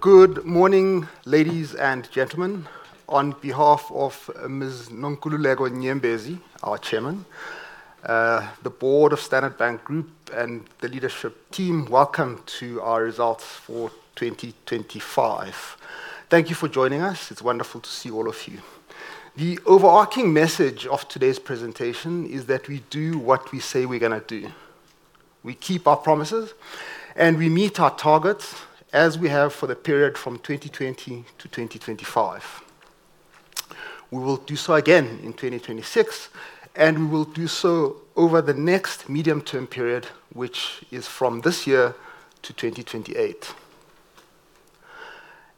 Good morning, ladies and gentlemen. On behalf of Ms. Nonkululeko Nyembezi, our Chairman, the board of Standard Bank Group and the leadership team, welcome to our results for 2025. Thank you for joining us. It's wonderful to see all of you. The overarching message of today's presentation is that we do what we say we're gonna do. We keep our promises, and we meet our targets as we have for the period from 2020 to 2025. We will do so again in 2026, and we will do so over the next medium-term period, which is from this year to 2028.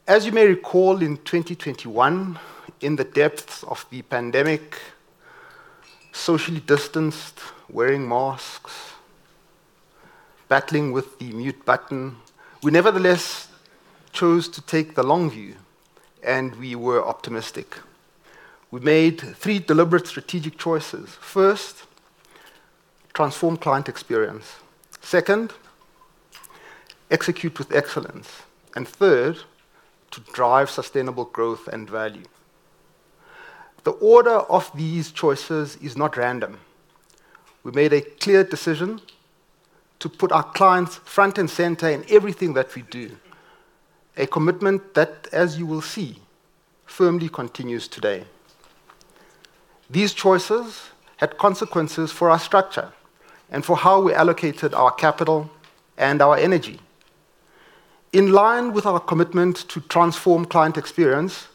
As you may recall, in 2021, in the depths of the pandemic, socially distanced, wearing masks, battling with the mute button, we nevertheless chose to take the long view, and we were optimistic. We made three deliberate strategic choices. First, transform client experience. Second, execute with excellence. Third, to drive sustainable growth and value. The order of these choices is not random. We made a clear decision to put our clients front and center in everything that we do. A commitment that, as you will see, firmly continues today. These choices had consequences for our structure and for how we allocated our capital and our energy. In line with our commitment to transform client experience,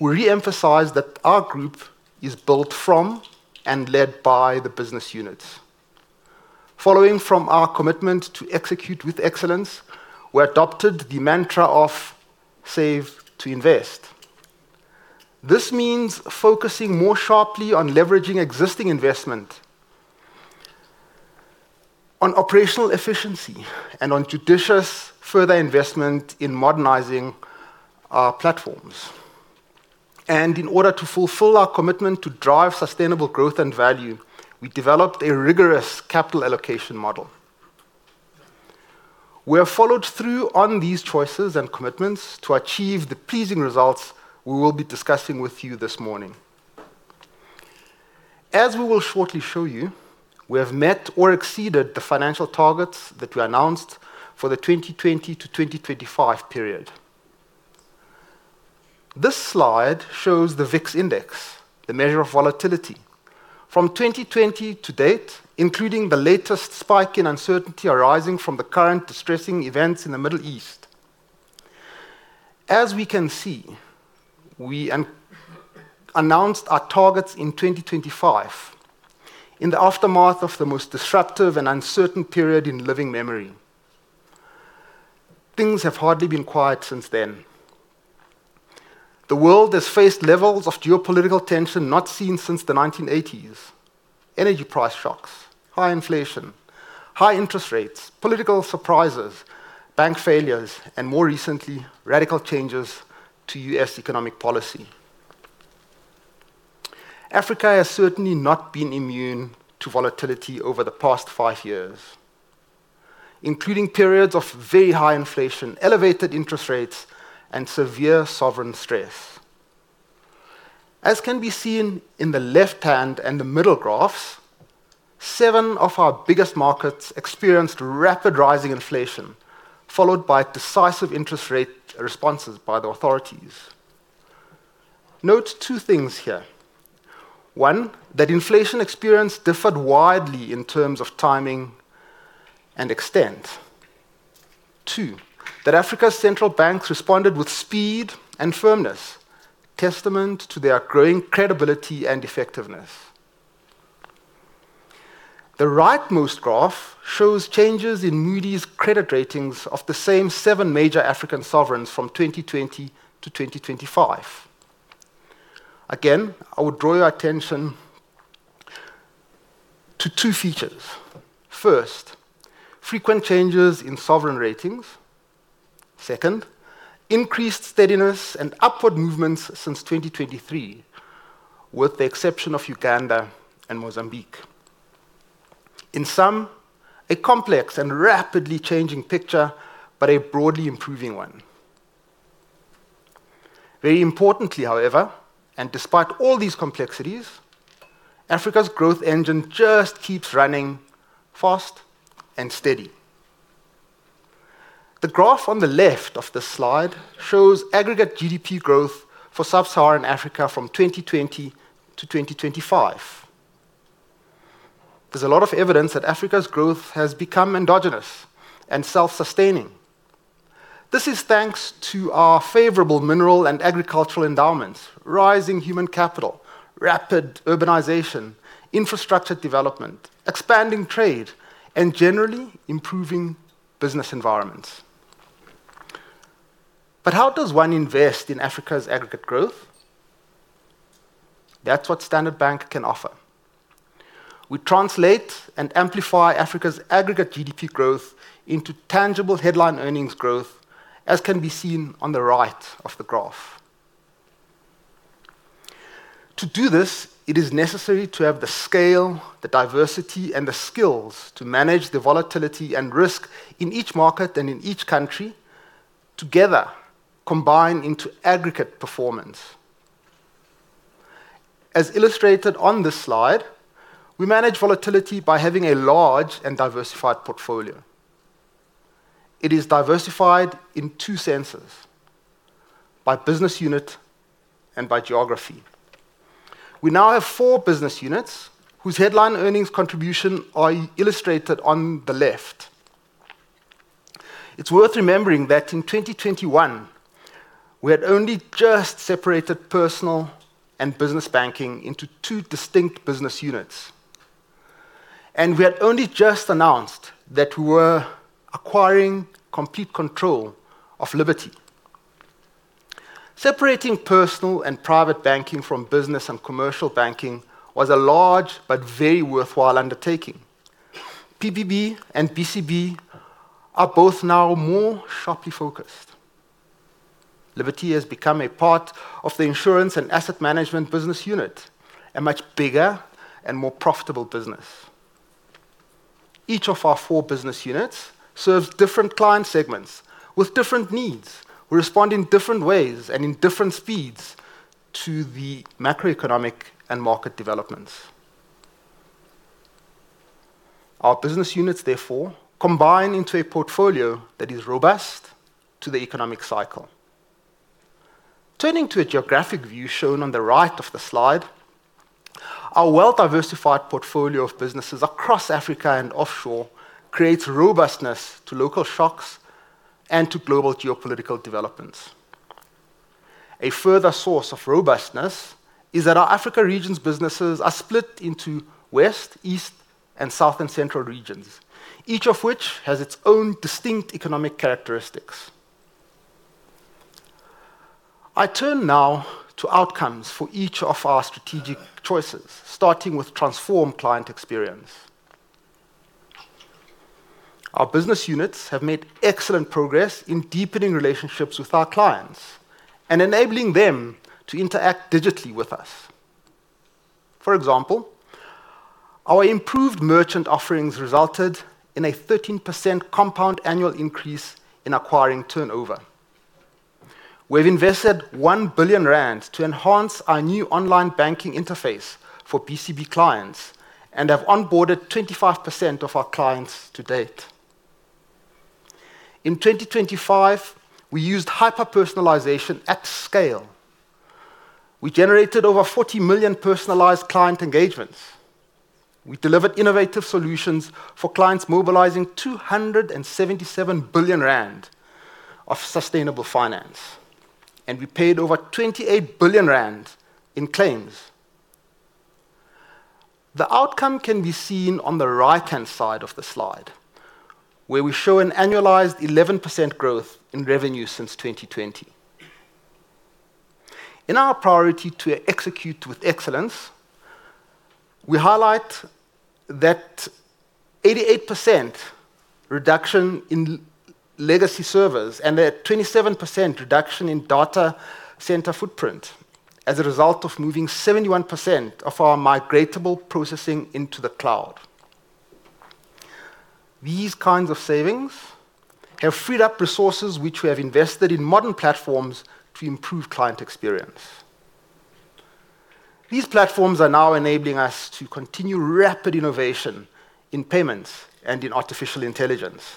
we re-emphasize that our group is built from and led by the business units. Following from our commitment to execute with excellence, we adopted the mantra of save to invest. This means focusing more sharply on leveraging existing investment, on operational efficiency, and on judicious further investment in modernizing our platforms. In order to fulfill our commitment to drive sustainable growth and value, we developed a rigorous capital allocation model. We have followed through on these choices and commitments to achieve the pleasing results we will be discussing with you this morning. As we will shortly show you, we have met or exceeded the financial targets that we announced for the 2020 to 2025 period. This slide shows the VIX Index, the measure of volatility from 2020 to date, including the latest spike in uncertainty arising from the current distressing events in the Middle East. As we can see, we announced our targets in 2025 in the aftermath of the most disruptive and uncertain period in living memory. Things have hardly been quiet since then. The world has faced levels of geopolitical tension not seen since the 1980s. Energy price shocks, high inflation, high interest rates, political surprises, bank failures, and more recently, radical changes to U.S. economic policy. Africa has certainly not been immune to volatility over the past five years, including periods of very high inflation, elevated interest rates, and severe sovereign stress. As can be seen in the left hand and the middle graphs, seven of our biggest markets experienced rapid rising inflation, followed by decisive interest rate responses by the authorities. Note two things here. One, that inflation experience differed widely in terms of timing and extent. Two, that Africa's central banks responded with speed and firmness, testament to their growing credibility and effectiveness. The rightmost graph shows changes in Moody's credit ratings of the same seven major African sovereigns from 2020 to 2025. Again, I would draw your attention to two features. First, frequent changes in sovereign ratings. Second, increased steadiness and upward movements since 2023, with the exception of Uganda and Mozambique. In sum, a complex and rapidly changing picture, but a broadly improving one. Very importantly, however, and despite all these complexities, Africa's growth engine just keeps running fast and steady. The graph on the left of this slide shows aggregate GDP growth for sub-Saharan Africa from 2020 to 2025. There's a lot of evidence that Africa's growth has become endogenous and self-sustaining. This is thanks to our favorable mineral and agricultural endowments, rising human capital, rapid urbanization, infrastructure development, expanding trade, and generally improving business environments. How does one invest in Africa's aggregate growth? That's what Standard Bank can offer. We translate and amplify Africa's aggregate GDP growth into tangible headline earnings growth, as can be seen on the right of the graph. To do this, it is necessary to have the scale, the diversity, and the skills to manage the volatility and risk in each market and in each country together combine into aggregate performance. As illustrated on this slide, we manage volatility by having a large and diversified portfolio. It is diversified in two senses, by business unit and by geography. We now have four business units whose headline earnings contribution are illustrated on the left. It's worth remembering that in 2021 we had only just separated Personal and Business Banking into two distinct business units, and we had only just announced that we were acquiring complete control of Liberty. Separating Personal and Private Banking was a large but very worthwhile undertaking. PPB and BCB are both now more sharply focused. Liberty has become a part of the insurance and asset management business unit, a much bigger and more profitable business. Each of our four business units serves different client segments with different needs. We respond in different ways and in different speeds to the macroeconomic and market developments. Our business units therefore combine into a portfolio that is robust to the economic cycle. Turning to a geographic view shown on the right of the slide, our well-diversified portfolio of businesses across Africa and offshore creates robustness to local shocks and to global geopolitical developments. A further source of robustness is that our Africa region's businesses are split into west, east, and south and central regions, each of which has its own distinct economic characteristics. I turn now to outcomes for each of our strategic choices, starting with transform client experience. Our business units have made excellent progress in deepening relationships with our clients and enabling them to interact digitally with us. For example, our improved merchant offerings resulted in a 13% compound annual increase in acquiring turnover. We've invested 1 billion rand to enhance our new online banking interface for BCB clients and have onboarded 25% of our clients to date. In 2025, we used hyper-personalization at scale. We generated over 40 million personalized client engagements. We delivered innovative solutions for clients mobilizing 277 billion rand of sustainable finance, and we paid over 28 billion rand in claims. The outcome can be seen on the right-hand side of the slide, where we show an annualized 11% growth in revenue since 2020. In our priority to execute with excellence, we highlight that 88% reduction in legacy servers and a 27% reduction in data center footprint as a result of moving 71% of our migratable processing into the cloud. These kinds of savings have freed up resources which we have invested in modern platforms to improve client experience. These platforms are now enabling us to continue rapid innovation in payments and in artificial intelligence.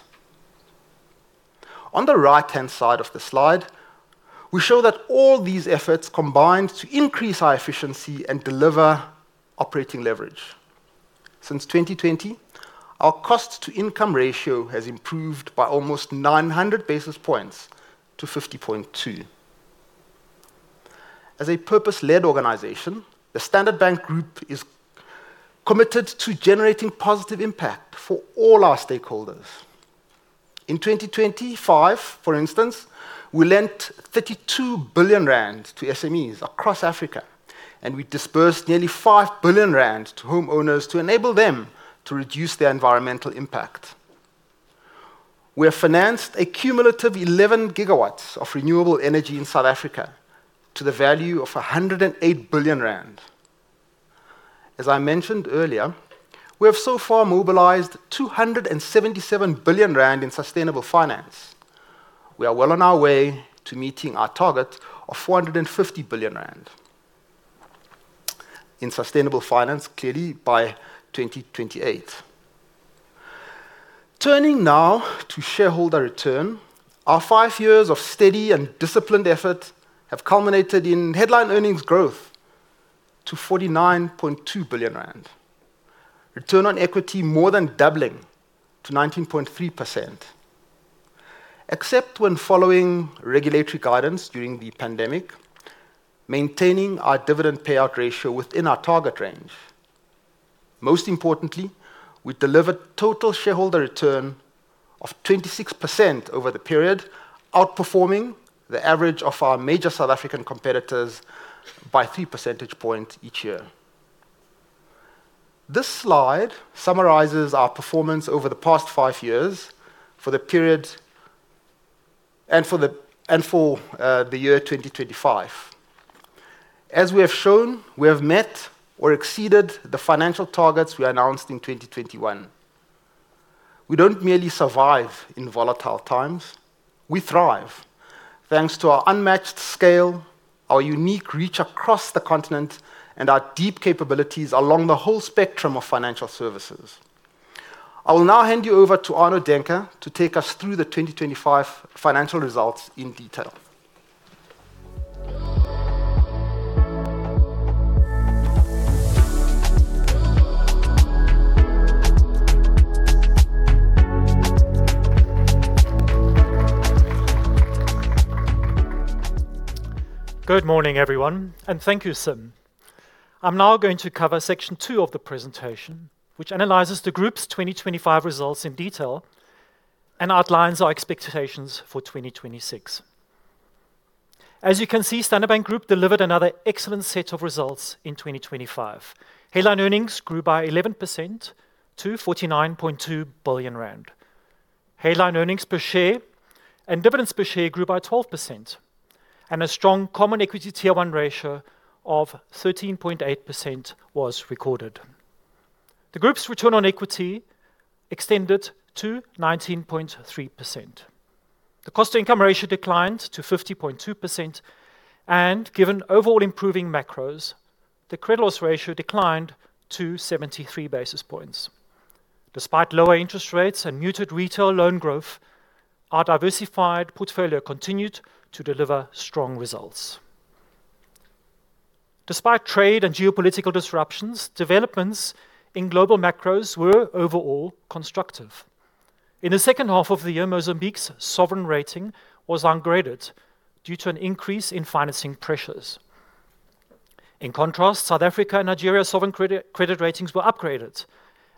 On the right-hand side of the slide, we show that all these efforts combined to increase our efficiency and deliver operating leverage. Since 2020, our cost-to-income ratio has improved by almost 900 basis points to 50.2%. As a purpose-led organization, the Standard Bank Group is committed to generating positive impact for all our stakeholders. In 2025, for instance, we lent 32 billion rand to SMEs across Africa, and we disbursed nearly 5 billion rand to homeowners to enable them to reduce their environmental impact. We have financed a cumulative 11 GW of renewable energy in South Africa to the value of 108 billion rand. As I mentioned earlier, we have so far mobilized 277 billion rand in sustainable finance. We are well on our way to meeting our target of 450 billion rand in sustainable finance clearly by 2028. Turning now to shareholder return, our five years of steady and disciplined effort have culminated in headline earnings growth to 49.2 billion rand. Return on equity more than doubling to 19.3%. Except when following regulatory guidance during the pandemic, maintaining our dividend payout ratio within our target range. Most importantly, we delivered total shareholder return of 26% over the period, outperforming the average of our major South African competitors by 3 percentage points each year. This slide summarizes our performance over the past five years for the period and for the year 2025. As we have shown, we have met or exceeded the financial targets we announced in 2021. We don't merely survive in volatile times. We thrive thanks to our unmatched scale, our unique reach across the continent, and our deep capabilities along the whole spectrum of financial services. I will now hand you over to Arno Daehnke to take us through the 2025 financial results in detail. Good morning, everyone, and thank you, Sim. I'm now going to cover section two of the presentation, which analyzes the group's 2025 results in detail and outlines our expectations for 2026. As you can see, Standard Bank Group delivered another excellent set of results in 2025. Headline earnings grew by 11% to 49.2 billion rand. Headline earnings per share and dividends per share grew by 12%, and a strong Common Equity Tier 1 ratio of 13.8% was recorded. The group's return on equity extended to 19.3%. The cost-to-income ratio declined to 50.2%, and given overall improving macros, the credit loss ratio declined to 73 basis points. Despite lower interest rates and muted retail loan growth, our diversified portfolio continued to deliver strong results. Despite trade and geopolitical disruptions, developments in global macros were overall constructive. In the second half of the year, Mozambique's sovereign rating was ungraded due to an increase in financing pressures. In contrast, South Africa and Nigeria's sovereign credit ratings were upgraded,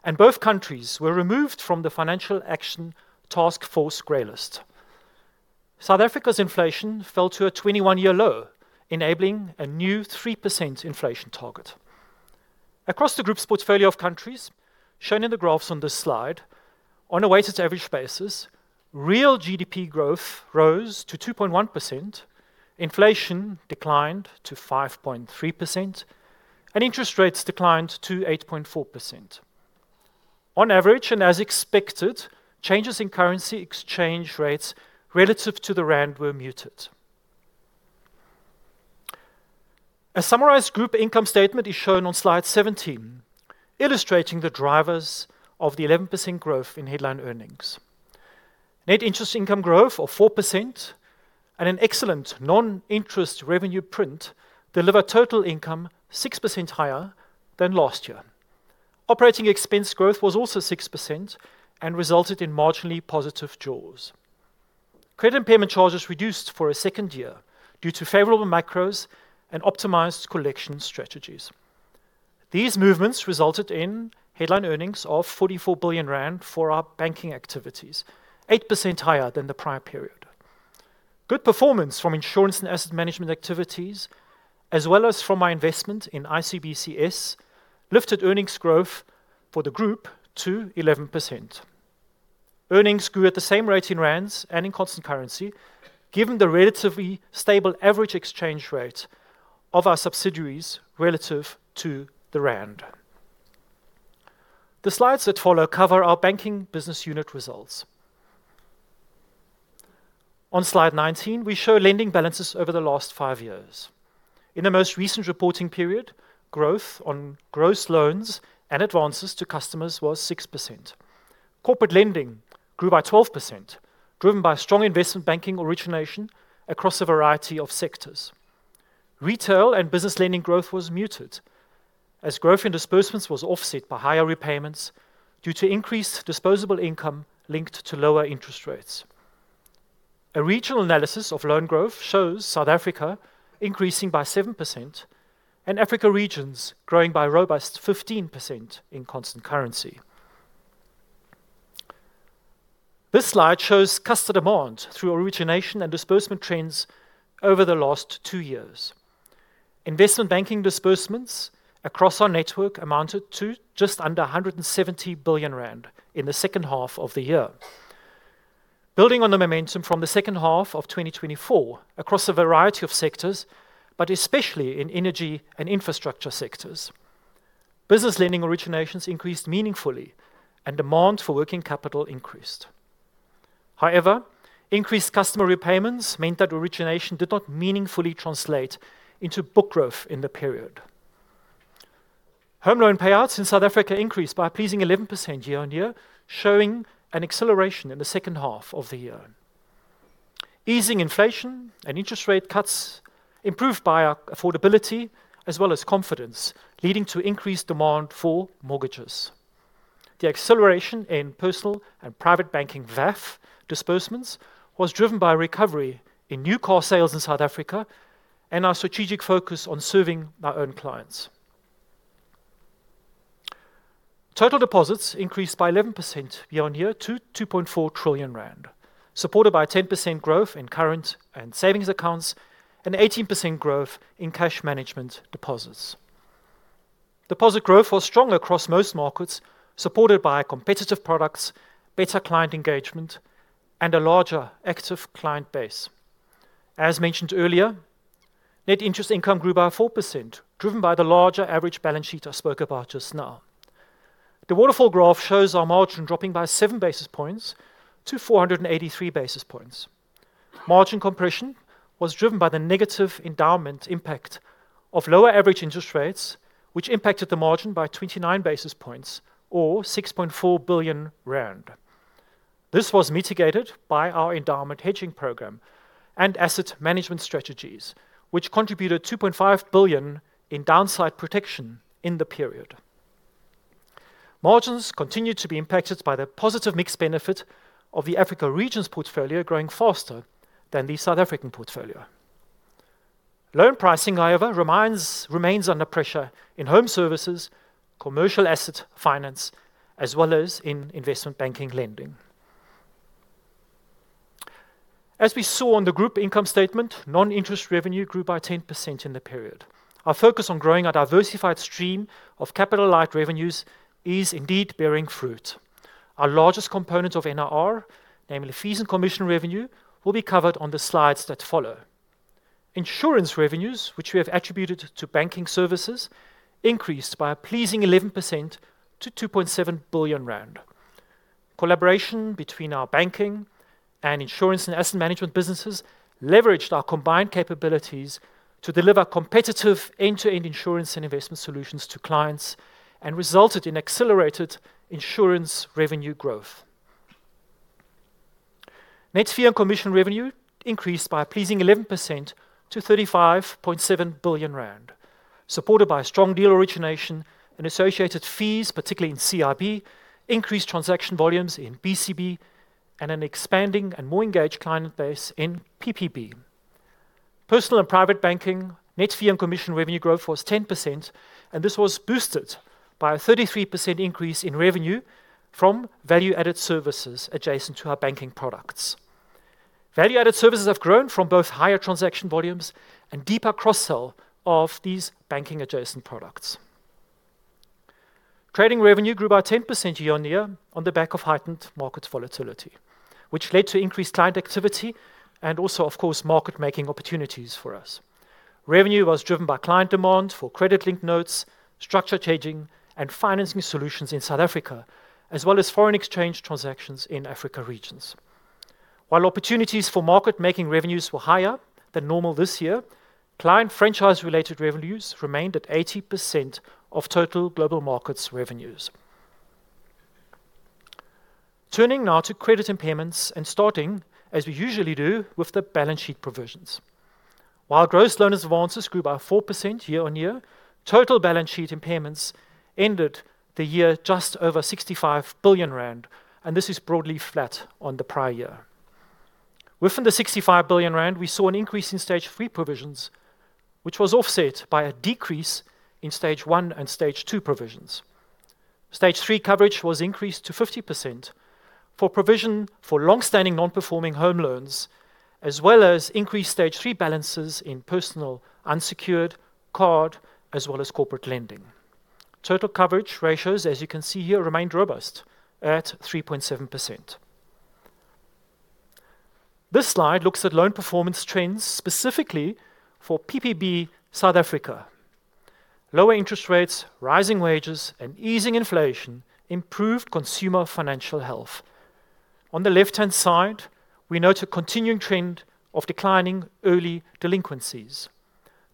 and both countries were removed from the Financial Action Task Force gray list. South Africa's inflation fell to a 21-year low, enabling a new 3% inflation target. Across the group's portfolio of countries, shown in the graphs on this slide, on a weighted average basis, real GDP growth rose to 2.1%, inflation declined to 5.3%, and interest rates declined to 8.4%. On average and as expected, changes in currency exchange rates relative to the rand were muted. A summarized group income statement is shown on slide 17, illustrating the drivers of the 11% growth in headline earnings. Net interest income growth of 4% and an excellent non-interest revenue print delivered total income 6% higher than last year. Operating expense growth was also 6% and resulted in marginally positive jaws. Credit impairment charges reduced for a second year due to favorable macros and optimized collection strategies. These movements resulted in headline earnings of 44 billion rand for our banking activities, 8% higher than the prior period. Good performance from insurance and asset management activities as well as from our investment in ICBCS lifted earnings growth for the group to 11%. Earnings grew at the same rate in rands and in constant currency, given the relatively stable average exchange rate of our subsidiaries relative to the rand. The slides that follow cover our banking business unit results. On slide 19, we show lending balances over the last five years. In the most recent reporting period, growth on gross loans and advances to customers was 6%. Corporate lending grew by 12%, driven by strong investment banking origination across a variety of sectors. Retail and business lending growth was muted as growth in disbursements was offset by higher repayments due to increased disposable income linked to lower interest rates. A regional analysis of loan growth shows South Africa increasing by 7% and Africa regions growing by a robust 15% in constant currency. This slide shows customer demand through origination and disbursement trends over the last two years. Investment banking disbursements across our network amounted to just under 170 billion rand in the second half of the year. Building on the momentum from the second half of 2024 across a variety of sectors, but especially in energy and infrastructure sectors, business lending originations increased meaningfully and demand for working capital increased. However, increased customer repayments meant that origination did not meaningfully translate into book growth in the period. Home loan payouts in South Africa increased by a pleasing 11% year-on-year, showing an acceleration in the second half of the year. Easing inflation and interest rate cuts improved buyer affordability as well as confidence, leading to increased demand for mortgages. The acceleration in Personal and Private Banking VAF disbursements was driven by a recovery in new car sales in South Africa and our strategic focus on serving our own clients. Total deposits increased by 11% year-on-year to 2.4 trillion rand, supported by a 10% growth in current and savings accounts and 18% growth in cash management deposits. Deposit growth was strong across most markets, supported by competitive products, better client engagement, and a larger active client base. As mentioned earlier, net interest income grew by 4%, driven by the larger average balance sheet I spoke about just now. The waterfall graph shows our margin dropping by 7 basis points to 483 basis points. Margin compression was driven by the negative endowment impact of lower average interest rates, which impacted the margin by 29 basis points or 6.4 billion rand. This was mitigated by our endowment hedging program and asset management strategies, which contributed 2.5 billion in downside protection in the period. Margins continued to be impacted by the positive mix benefit of the Africa regions portfolio growing faster than the South African portfolio. Loan pricing, however, remains under pressure in home services, commercial asset finance, as well as in investment banking lending. As we saw on the group income statement, non-interest revenue grew by 10% in the period. Our focus on growing a diversified stream of capital-light revenues is indeed bearing fruit. Our largest component of NIR, namely fees and commission revenue, will be covered on the slides that follow. Insurance revenues, which we have attributed to banking services, increased by a pleasing 11% to 2.7 billion rand. Collaboration between our banking and insurance and asset management businesses leveraged our combined capabilities to deliver competitive end-to-end insurance and investment solutions to clients and resulted in accelerated insurance revenue growth. Net fee and commission revenue increased by a pleasing 11% to 35.7 billion rand, supported by strong deal origination and associated fees, particularly in CIB, increased transaction volumes in BCB, and an expanding and more engaged client base in PPB. Personal and private banking net fee and commission revenue growth was 10%, and this was boosted by a 33% increase in revenue from value-added services adjacent to our banking products. Value-added services have grown from both higher transaction volumes and deeper cross-sell of these banking adjacent products. Trading revenue grew by 10% year-on-year on the back of heightened market volatility, which led to increased client activity and also, of course, market making opportunities for us. Revenue was driven by client demand for credit-linked notes, structured and financing solutions in South Africa, as well as foreign exchange transactions in African regions. While opportunities for market making revenues were higher than normal this year, client franchise-related revenues remained at 80% of total global markets revenues. Turning now to credit impairments and starting, as we usually do, with the balance sheet provisions. While gross loans and advances grew by 4% year-on-year, total balance sheet impairments ended the year just over 65 billion rand, and this is broadly flat on the prior year. Within the 65 billion rand, we saw an increase in Stage 3 provisions, which was offset by a decrease in Stage 1 and Stage 2 provisions. Stage 3 coverage was increased to 50% for provision for long-standing non-performing home loans, as well as increased Stage 3 balances in personal unsecured card, as well as corporate lending. Total coverage ratios, as you can see here, remained robust at 3.7%. This slide looks at loan performance trends specifically for PPB South Africa. Lower interest rates, rising wages, and easing inflation improved consumer financial health. On the left-hand side, we note a continuing trend of declining early delinquencies.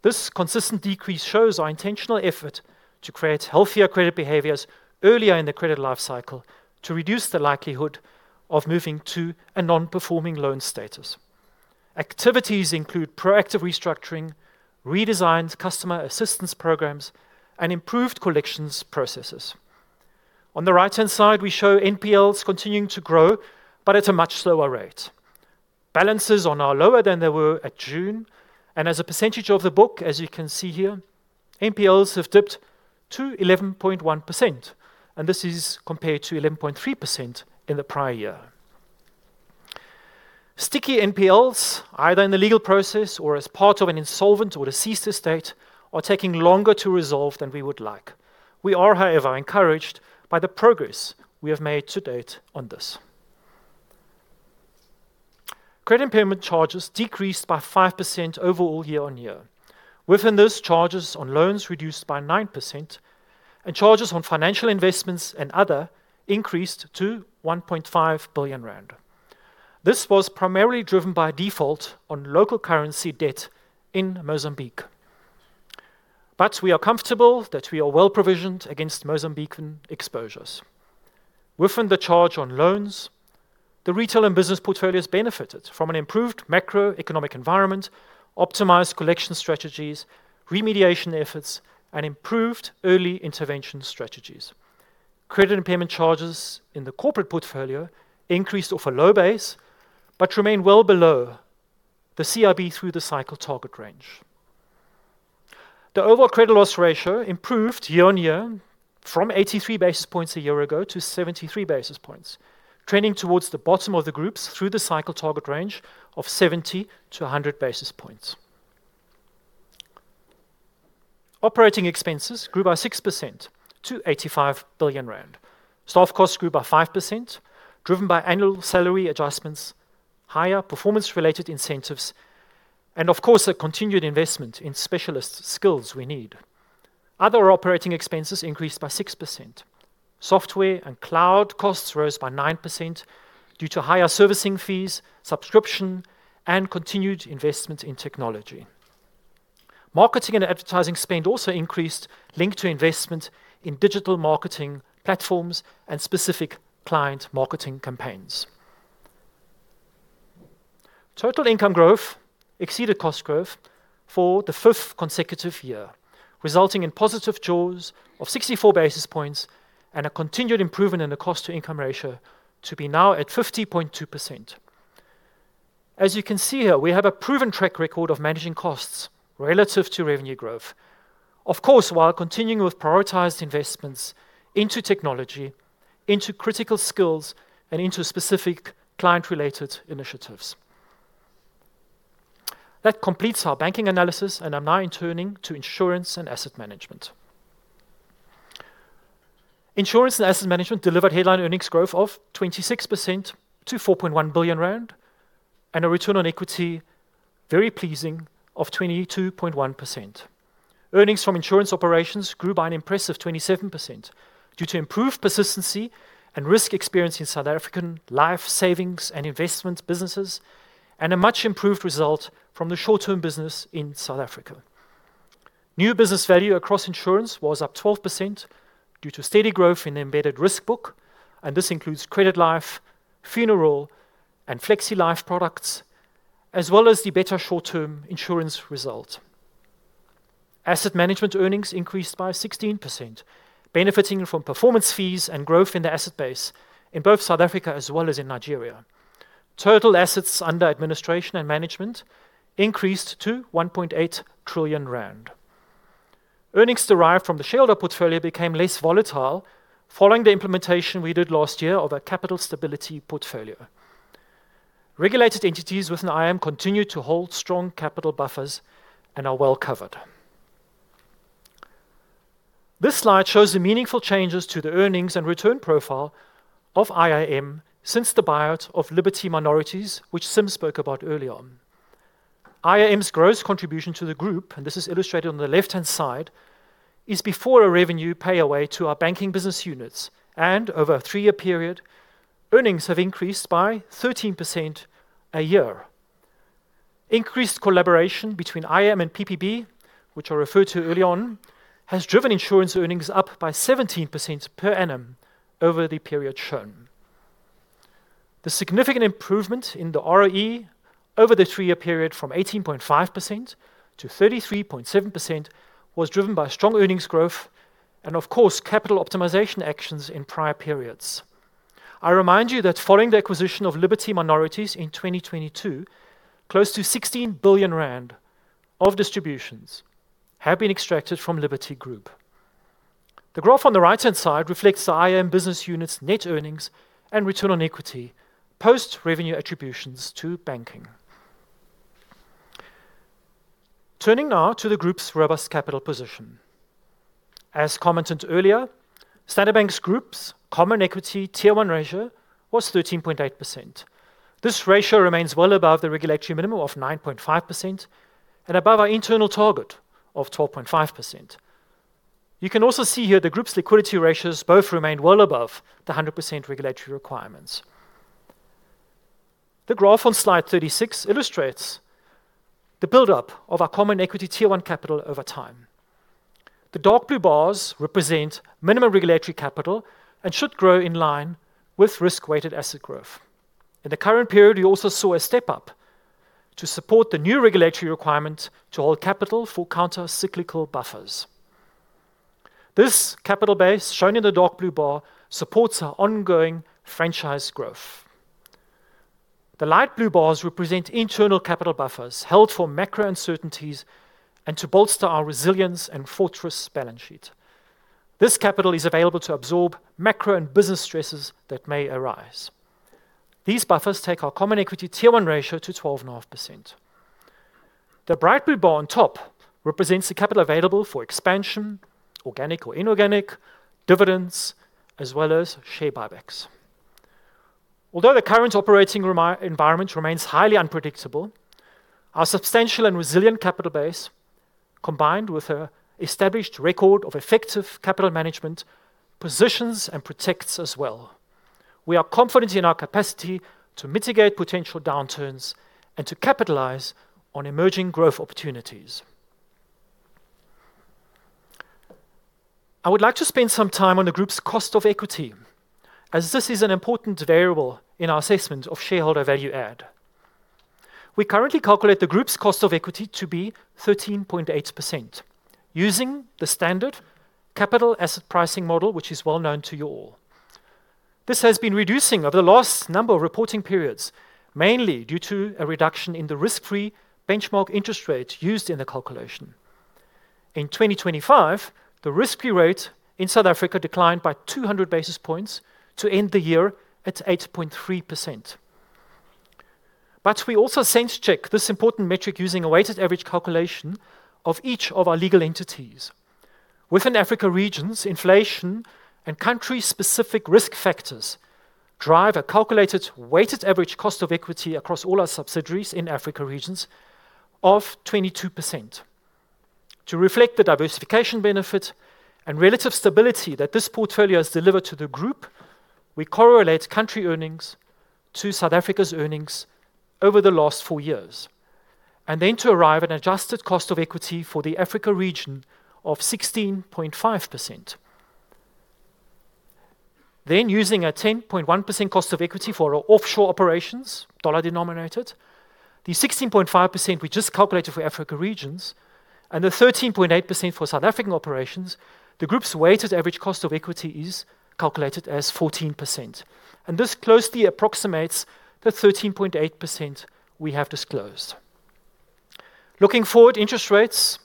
This consistent decrease shows our intentional effort to create healthier credit behaviors earlier in the credit life cycle to reduce the likelihood of moving to a non-performing loan status. Activities include proactive restructuring, redesigned customer assistance programs, and improved collections processes. On the right-hand side, we show NPLs continuing to grow, but at a much slower rate. Balances are now lower than they were at June, and as a percentage of the book, as you can see here, NPLs have dipped to 11.1%, and this is compared to 11.3% in the prior year. Sticky NPLs, either in the legal process or as part of an insolvent or a ceased estate, are taking longer to resolve than we would like. We are, however, encouraged by the progress we have made to date on this. Credit impairment charges decreased by 5% overall year-on-year. Within those charges on loans reduced by 9% and charges on financial investments and other increased to 1.5 billion rand. This was primarily driven by default on local currency debt in Mozambique. We are comfortable that we are well provisioned against Mozambican exposures. Within the charge on loans, the retail and business portfolios benefited from an improved macroeconomic environment, optimized collection strategies, remediation efforts, and improved early intervention strategies. Credit impairment charges in the corporate portfolio increased off a low base but remain well below the CIB through-the-cycle target range. The overall credit loss ratio improved year-on-year from 83 basis points a year ago to 73 basis points, trending towards the bottom of the group's through-the-cycle target range of 70 to 100 basis points. Operating expenses grew by 6% to 85 billion rand. Staff costs grew by 5%, driven by annual salary adjustments, higher performance-related incentives, and of course, a continued investment in specialist skills we need. Other operating expenses increased by 6%. Software and cloud costs rose by 9% due to higher servicing fees, subscription and continued investment in technology. Marketing and advertising spend also increased linked to investment in digital marketing platforms and specific client marketing campaigns. Total income growth exceeded cost growth for the fifth consecutive year, resulting in positive jaws of 64 basis points and a continued improvement in the cost-to-income ratio to be now at 50.2%. As you can see here, we have a proven track record of managing costs relative to revenue growth. Of course, while continuing with prioritized investments into technology, into critical skills and into specific client related initiatives. That completes our banking analysis, and I'm now turning to insurance and asset management. Insurance and Asset Management delivered headline earnings growth of 26% to 4.1 billion rand and a very pleasing return on equity of 22.1%. Earnings from insurance operations grew by an impressive 27% due to improved persistency and risk experience in South African life savings and investment businesses and a much improved result from the short term business in South Africa. New business value across insurance was up 12% due to steady growth in embedded risk book, and this includes Credit Life, Funeral and Flexi Life products, as well as the better short term insurance result. Asset management earnings increased by 16%, benefiting from performance fees and growth in the asset base in both South Africa as well as in Nigeria. Total assets under administration and management increased to 1.8 trillion rand. Earnings derived from the shareholder portfolio became less volatile following the implementation we did last year of a capital stability portfolio. Regulated entities within IAM continue to hold strong capital buffers and are well covered. This slide shows the meaningful changes to the earnings and return profile of IAM since the buyout of Liberty Minorities, which Sim spoke about early on. IAM's gross contribution to the group, and this is illustrated on the left-hand side, is before a revenue pay away to our banking business units and over a three-year period, earnings have increased by 13% a year. Increased collaboration between IAM and PPB, which are referred to early on, has driven insurance earnings up by 17% per annum over the period shown. The significant improvement in the ROE over the three-year period from 18.5% to 33.7% was driven by strong earnings growth and of course, capital optimization actions in prior periods. I remind you that following the acquisition of Liberty Minorities in 2022, close to 16 billion rand of distributions have been extracted from Liberty Group. The graph on the right-hand side reflects the IAM business unit's net earnings and return on equity post revenue attributions to banking. Turning now to the group's robust capital position. As commented earlier, Standard Bank Group's Common Equity Tier 1 ratio was 13.8%. This ratio remains well above the regulatory minimum of 9.5% and above our internal target of 12.5%. You can also see here the group's liquidity ratios both remain well above the 100% regulatory requirements. The graph on slide 36 illustrates the build up of our Common Equity Tier 1 capital over time. The dark blue bars represent minimum regulatory capital and should grow in line with risk-weighted asset growth. In the current period, we also saw a step up to support the new regulatory requirement to hold capital for countercyclical buffers. This capital base shown in the dark blue bar supports our ongoing franchise growth. The light blue bars represent internal capital buffers held for macro uncertainties and to bolster our resilience and fortress balance sheet. This capital is available to absorb macro and business stresses that may arise. These buffers take our Common Equity Tier 1 ratio to 12.5%. The bright blue bar on top represents the capital available for expansion, organic or inorganic dividends, as well as share buybacks. Although the current operating environment remains highly unpredictable, our substantial and resilient capital base, combined with an established record of effective capital management, positions and protects us well. We are confident in our capacity to mitigate potential downturns and to capitalize on emerging growth opportunities. I would like to spend some time on the group's cost of equity as this is an important variable in our assessment of shareholder value add. We currently calculate the group's cost of equity to be 13.8% using the standard capital asset pricing model, which is well known to you all. This has been reducing over the last number of reporting periods, mainly due to a reduction in the risk-free benchmark interest rate used in the calculation. In 2025, the risk-free rate in South Africa declined by 200 basis points to end the year at 8.3%. We also sense check this important metric using a weighted average calculation of each of our legal entities. Within Africa regions, inflation and country-specific risk factors drive a calculated weighted average cost of equity across all our subsidiaries in Africa regions of 22%. To reflect the diversification benefit and relative stability that this portfolio has delivered to the group, we correlate country earnings to South Africa's earnings over the last four years, and then to arrive at an adjusted cost of equity for the Africa region of 16.5%. Using a 10.1% cost of equity for our offshore operations, dollar denominated, the 16.5% we just calculated for Africa regions and the 13.8% for South African operations, the group's weighted average cost of equity is calculated as 14%. This closely approximates the 13.8% we have disclosed. Looking forward, interest rates,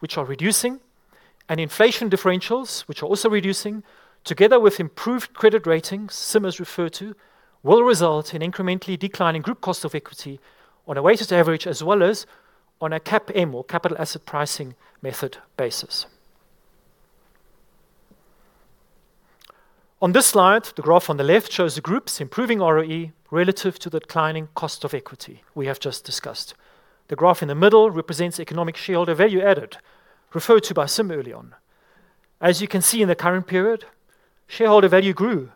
which are reducing, and inflation differentials, which are also reducing, together with improved credit ratings, Sim has referred to, will result in incrementally declining group cost of equity on a weighted average as well as on a CAPM or capital asset pricing method basis. On this slide, the graph on the left shows the group's improving ROE relative to the declining cost of equity we have just discussed. The graph in the middle represents economic shareholder value added, referred to by Sim early on. As you can see in the current period, shareholder value grew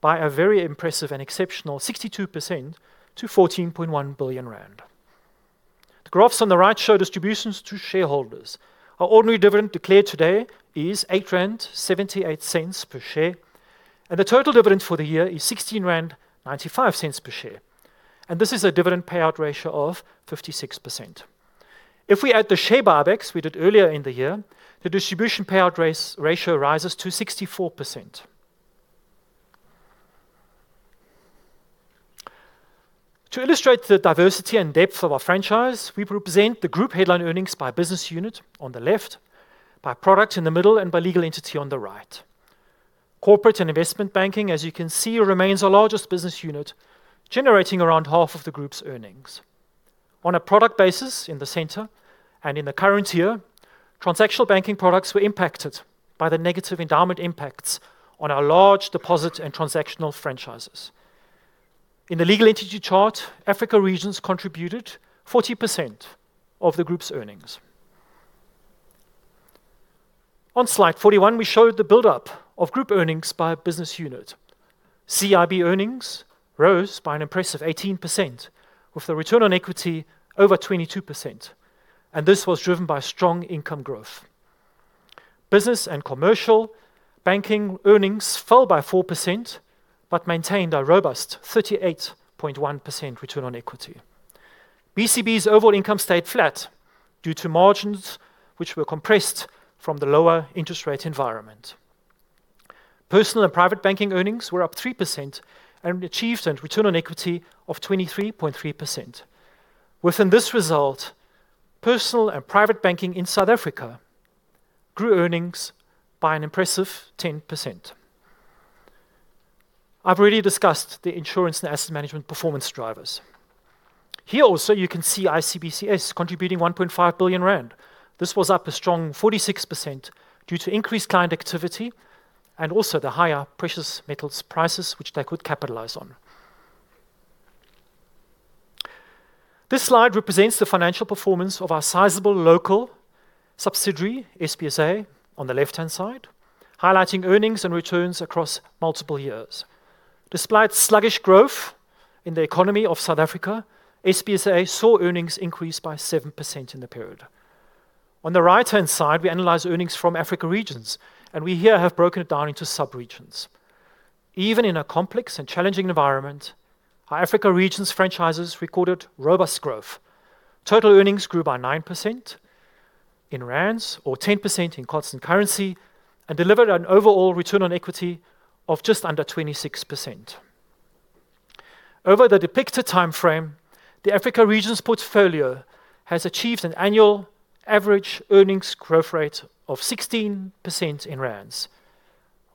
by a very impressive and exceptional 62% to 14.1 billion rand. The graphs on the right show distributions to shareholders. Our ordinary dividend declared today is 8.78 rand per share, and the total dividend for the year is 16.95 rand per share. This is a dividend payout ratio of 56%. If we add the share buybacks we did earlier in the year, the distribution payout ratio rises to 64%. To illustrate the diversity and depth of our franchise, we present the group headline earnings by business unit on the left, by product in the middle, and by legal entity on the right. Corporate and Investment Banking, as you can see, remains our largest business unit, generating around half of the group's earnings. On a product basis in the center and in the current year, transactional banking products were impacted by the negative endowment impacts on our large deposit and transactional franchises. In the legal entity chart, African regions contributed 40% of the group's earnings. On slide 41, we showed the build-up of group earnings by business unit. CIB earnings rose by an impressive 18% with the return on equity over 22%, and this was driven by strong income growth. Business and Commercial Banking earnings fell by 4% but maintained a robust 38.1% return on equity. BCB's overall income stayed flat due to margins which were compressed from the lower interest rate environment. Personal and Private Banking earnings were up 3% and achieved a return on equity of 23.3%. Within this result, Personal and Private Banking in South Africa grew earnings by an impressive 10%. I've already discussed the Insurance and Asset Management performance drivers. Here also, you can see ICBCS contributing 1.5 billion rand. This was up a strong 46% due to increased client activity and also the higher precious metals prices which they could capitalize on. This slide represents the financial performance of our sizable local subsidiary, SBSA, on the left-hand side, highlighting earnings and returns across multiple years. Despite sluggish growth in the economy of South Africa, SBSA saw earnings increase by 7% in the period. On the right-hand side, we analyze earnings from Africa regions, and we here have broken it down into sub-regions. Even in a complex and challenging environment, our Africa regions franchises recorded robust growth. Total earnings grew by 9% in rands or 10% in constant currency and delivered an overall return on equity of just under 26%. Over the depicted timeframe, the Africa regions portfolio has achieved an annual average earnings growth rate of 16% in rands.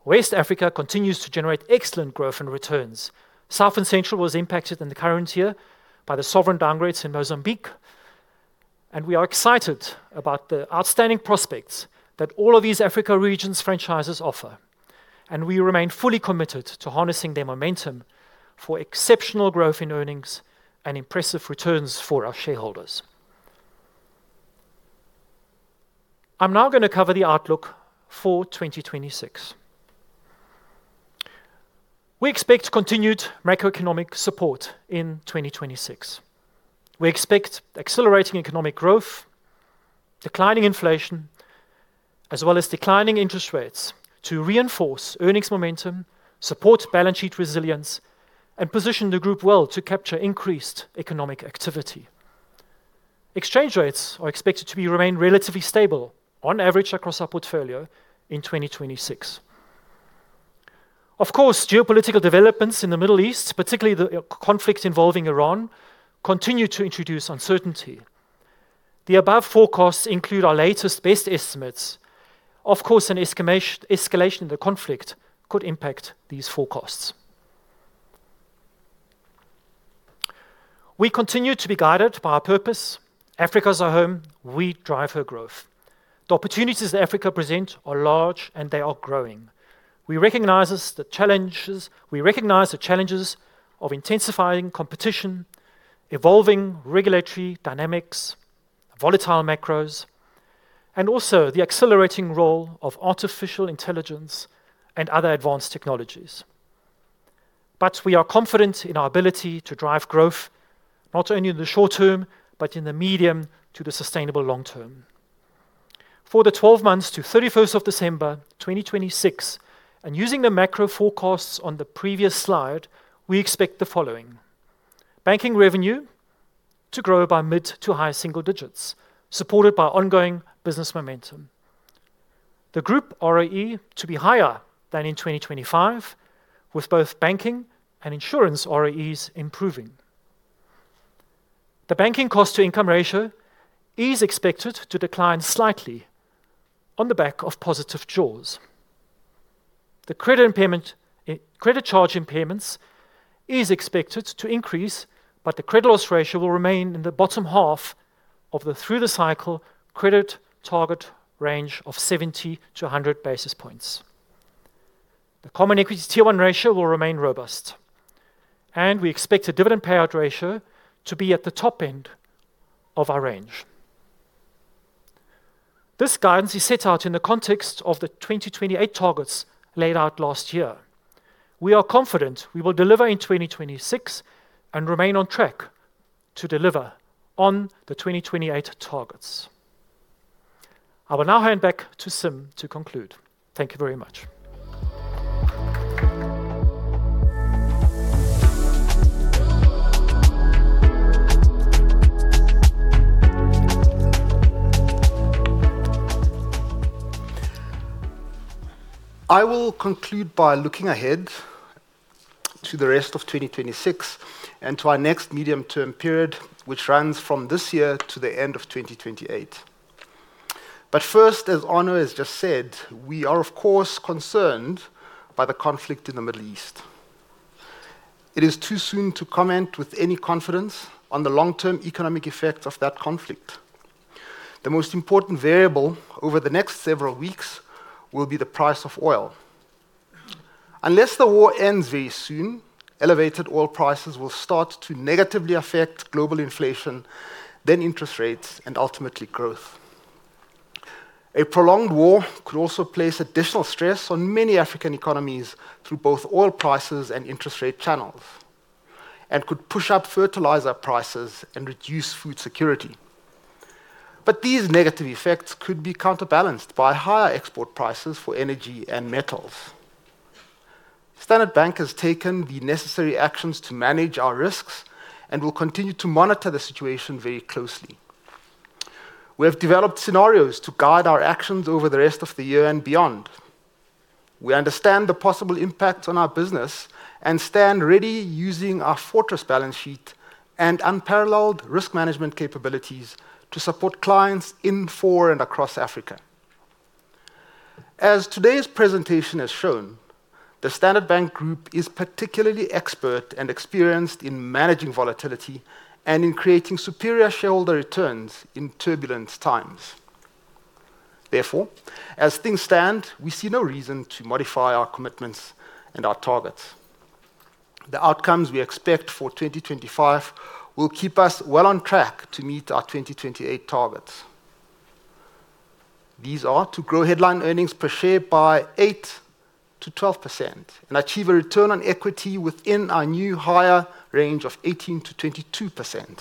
West Africa continues to generate excellent growth in returns. South and Central was impacted in the current year by the sovereign downgrades in Mozambique. We are excited about the outstanding prospects that all of these Africa regions franchises offer, and we remain fully committed to harnessing their momentum for exceptional growth in earnings and impressive returns for our shareholders. I'm now gonna cover the outlook for 2026. We expect continued macroeconomic support in 2026. We expect accelerating economic growth, declining inflation, as well as declining interest rates to reinforce earnings momentum, support balance sheet resilience, and position the group well to capture increased economic activity. Exchange rates are expected to remain relatively stable on average across our portfolio in 2026. Of course, geopolitical developments in the Middle East, particularly the conflict involving Iran, continue to introduce uncertainty. The above forecasts include our latest best estimates. Of course, an escalation in the conflict could impact these forecasts. We continue to be guided by our purpose. Africa is our home, we drive her growth. The opportunities that Africa present are large, and they are growing. We recognize the challenges of intensifying competition, evolving regulatory dynamics, volatile macros, and also the accelerating role of artificial intelligence and other advanced technologies. We are confident in our ability to drive growth, not only in the short term, but in the medium to the sustainable long term. For the 12 months to 31st of December 2026, and using the macro forecasts on the previous slide, we expect the following. Banking revenue to grow by mid- to high-single-digits, supported by ongoing business momentum. The group ROE to be higher than in 2025, with both banking and insurance ROEs improving. The banking cost-to-income ratio is expected to decline slightly on the back of positive jaws. The credit charge impairments is expected to increase, but the credit loss ratio will remain in the bottom half of the through-the-cycle credit target range of 70-100 basis points. The Common Equity Tier 1 ratio will remain robust, and we expect a dividend payout ratio to be at the top end of our range. This guidance is set out in the context of the 2028 targets laid out last year. We are confident we will deliver in 2026 and remain on track to deliver on the 2028 targets. I will now hand back to Sim to conclude. Thank you very much. I will conclude by looking ahead to the rest of 2026 and to our next medium-term period, which runs from this year to the end of 2028. First, as Arno has just said, we are of course concerned by the conflict in the Middle East. It is too soon to comment with any confidence on the long-term economic effects of that conflict. The most important variable over the next several weeks will be the price of oil. Unless the war ends very soon, elevated oil prices will start to negatively affect global inflation, then interest rates, and ultimately growth. A prolonged war could also place additional stress on many African economies through both oil prices and interest rate channels and could push up fertilizer prices and reduce food security. These negative effects could be counterbalanced by higher export prices for energy and metals. Standard Bank has taken the necessary actions to manage our risks and will continue to monitor the situation very closely. We have developed scenarios to guide our actions over the rest of the year and beyond. We understand the possible impacts on our business and stand ready using our fortress balance sheet and unparalleled risk management capabilities to support clients in, for, and across Africa. As today's presentation has shown, the Standard Bank Group is particularly expert and experienced in managing volatility and in creating superior shareholder returns in turbulent times. Therefore, as things stand, we see no reason to modify our commitments and our targets. The outcomes we expect for 2025 will keep us well on track to meet our 2028 targets. These are to grow headline earnings per share by 8%-12% and achieve a return on equity within our new higher range of 18%-22%.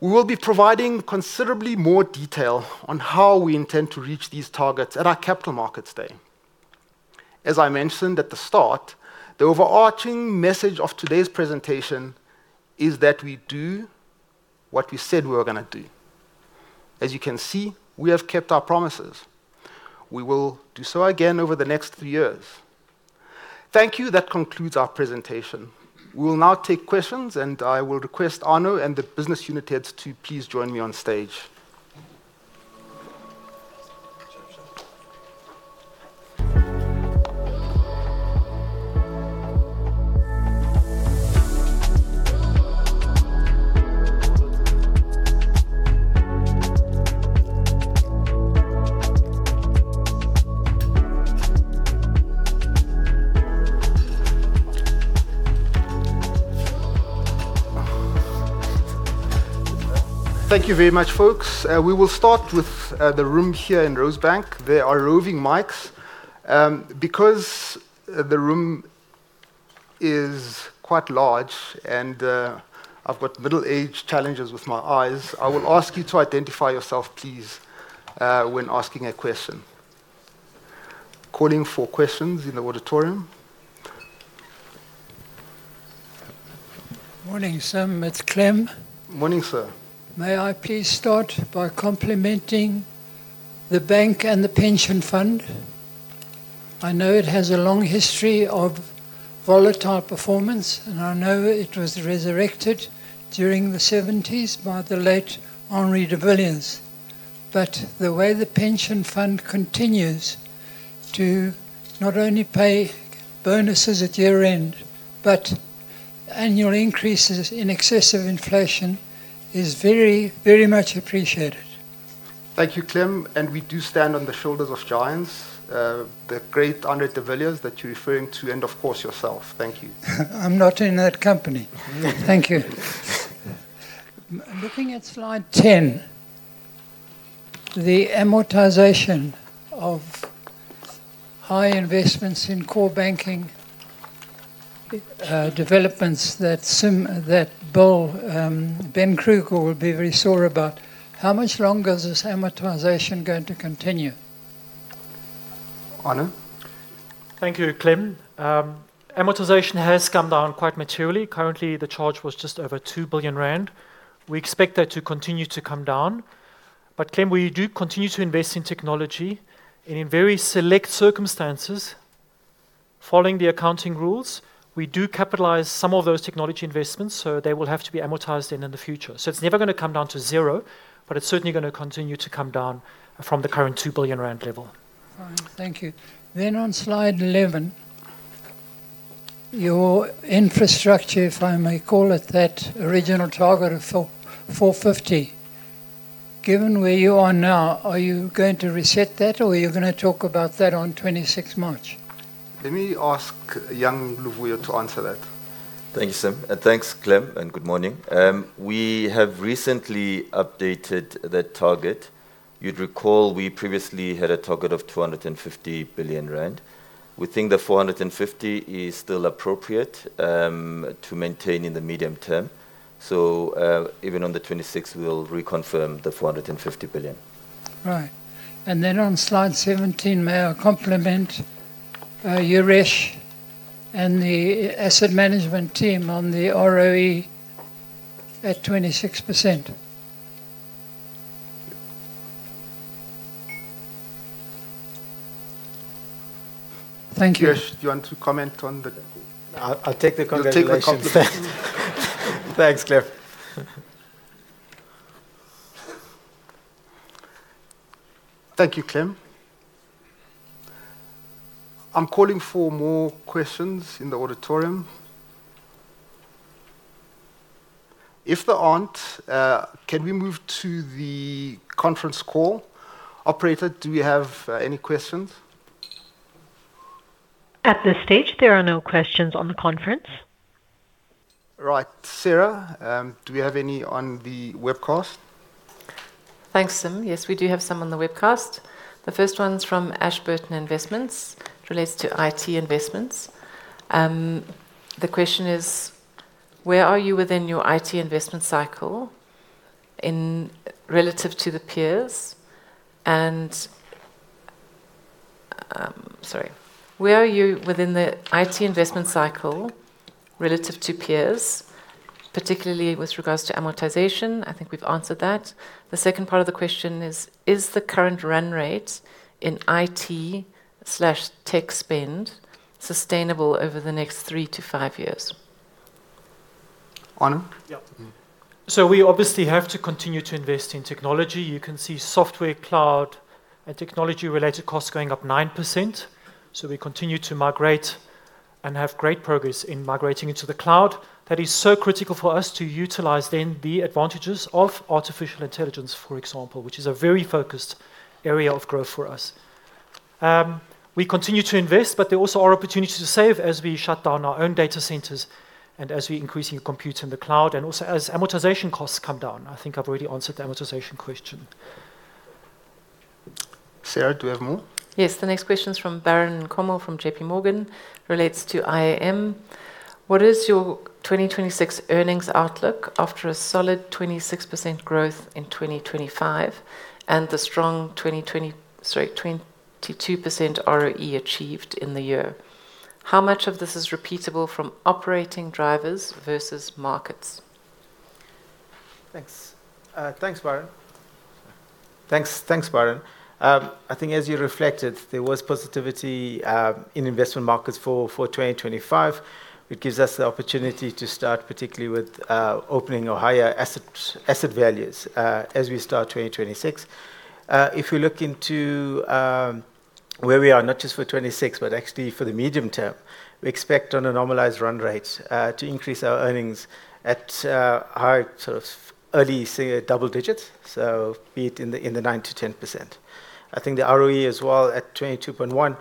We will be providing considerably more detail on how we intend to reach these targets at our Capital Markets Day. As I mentioned at the start, the overarching message of today's presentation is that we do what we said we were gonna do. As you can see, we have kept our promises. We will do so again over the next 3 years. Thank you. That concludes our presentation. We will now take questions, and I will request Arno and the business unit heads to please join me on stage. Thank you very much, folks. We will start with the room here in Rosebank. There are roving mics. Because the room is quite large and I've got middle-age challenges with my eyes, I will ask you to identify yourself please when asking a question. Calling for questions in the auditorium. Morning, Sim. It's Clem. Morning, sir. May I please start by complimenting the bank and the pension fund? I know it has a long history of volatile performance, and I know it was resurrected during the seventies by the late Henri de Villiers. The way the pension fund continues to not only pay bonuses at year-end, but annual increases in excess of inflation is very, very much appreciated. Thank you, Clem, and we do stand on the shoulders of giants, the great Henri de Villiers that you're referring to, and of course yourself. Thank you. I'm not in that company. Thank you. Looking at slide 10, the amortization of high investments in core banking developments that Bill, Ben Kruger will be very sore about. How much longer is this amortization going to continue? Arno. Thank you, Clem. Amortization has come down quite materially. Currently, the charge was just over 2 billion rand. We expect that to continue to come down. Clem, we do continue to invest in technology and in very select circumstances. Following the accounting rules, we do capitalize some of those technology investments, so they will have to be amortized in the future. It's never gonna come down to zero, but it's certainly gonna continue to come down from the current 2 billion rand level. Fine. Thank you. On slide 11, your infrastructure, if I may call it that, original target of 445. Given where you are now, are you going to reset that, or are you gonna talk about that on 26th March? Let me ask young Luvuyo to answer that. Thank you, Sim. Thanks, Clem, and good morning. We have recently updated that target. You'd recall we previously had a target of 250 billion rand. We think the 450 billion is still appropriate, to maintain in the medium term. Even on the 26th, we'll reconfirm the 450 billion. Right. On slide 17, may I compliment Yuresh and the asset management team on the ROE at 26%. Thank you. Yuresh, do you want to comment? I'll take the congratulations. You'll take the compliment. Thanks, Clem. Thank you, Clem. I'm calling for more questions in the auditorium. If there aren't, can we move to the conference call? Operator, do we have any questions? At this stage, there are no questions on the conference. Right. Sarah, do we have any on the webcast? Thanks, Sim. Yes, we do have some on the webcast. The first one's from Ashburton Investments. It relates to IT investments. The question is: Where are you within your IT investment cycle relative to peers, particularly with regards to amortization? I think we've answered that. The second part of the question is: Is the current run rate in IT/tech spend sustainable over the next three to five years? Arno? Yeah. We obviously have to continue to invest in technology. You can see software, cloud, and technology-related costs going up 9%. We continue to migrate and have great progress in migrating into the cloud. That is so critical for us to utilize the advantages of artificial intelligence, for example, which is a very focused area of growth for us. We continue to invest, but there also are opportunities to save as we shut down our own data centers and as we increase in compute in the cloud and also as amortization costs come down. I think I've already answered the amortization question. Sarah, do we have more? Yes. The next question is from Baron Nkomo from JPMorgan. Relates to IAM. What is your 2026 earnings outlook after a solid 26% growth in 2025 and the strong 22% ROE achieved in the year? How much of this is repeatable from operating drivers versus markets? Thanks, Baron. I think as you reflected, there was positivity in investment markets for 2025. It gives us the opportunity to start particularly with opening or higher asset values as we start 2026. If we look into where we are, not just for 2026, but actually for the medium term, we expect on a normalized run rate to increase our earnings at high sort of early, say, double digits. Be it in the 9%-10%. I think the ROE as well at 22.1%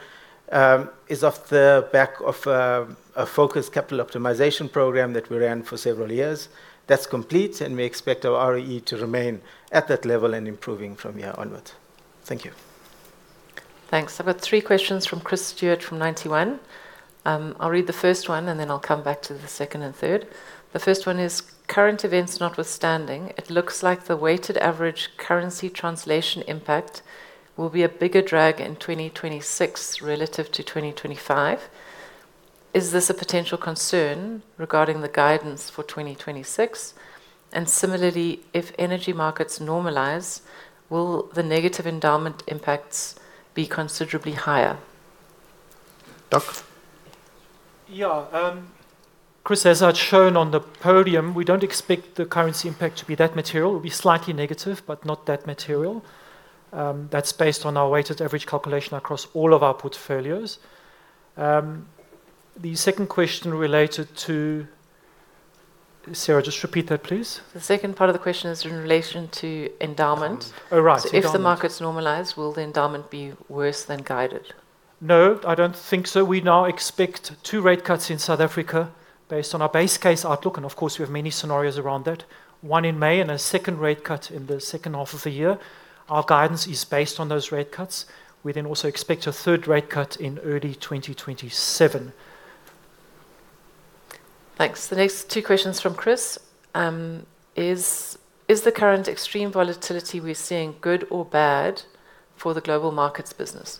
is off the back of a focused capital optimization program that we ran for several years. That's complete, and we expect our ROE to remain at that level and improving from here onwards. Thank you. Thanks. I've got three questions from Chris Stewart from Ninety One. I'll read the first one, and then I'll come back to the second and third. The first one is: Current events notwithstanding, it looks like the weighted average currency translation impact will be a bigger drag in 2026 relative to 2025. Is this a potential concern regarding the guidance for 2026? And similarly, if energy markets normalize, will the negative endowment impacts be considerably higher? Doc? Yeah, Chris, as I'd shown on the podium, we don't expect the currency impact to be that material. It'll be slightly negative, but not that material. That's based on our weighted average calculation across all of our portfolios. Sarah, just repeat that, please. The second part of the question is in relation to endowment. Oh, right. Endowment. If the markets normalize, will the endowment be worse than guided? No, I don't think so. We now expect two rate cuts in South Africa based on our base case outlook, and of course, we have many scenarios around that. One in May and a second rate cut in the second half of the year. Our guidance is based on those rate cuts. We then also expect a third rate cut in early 2027. Thanks. The next two questions from Chris. Is the current extreme volatility we're seeing good or bad for the global markets business?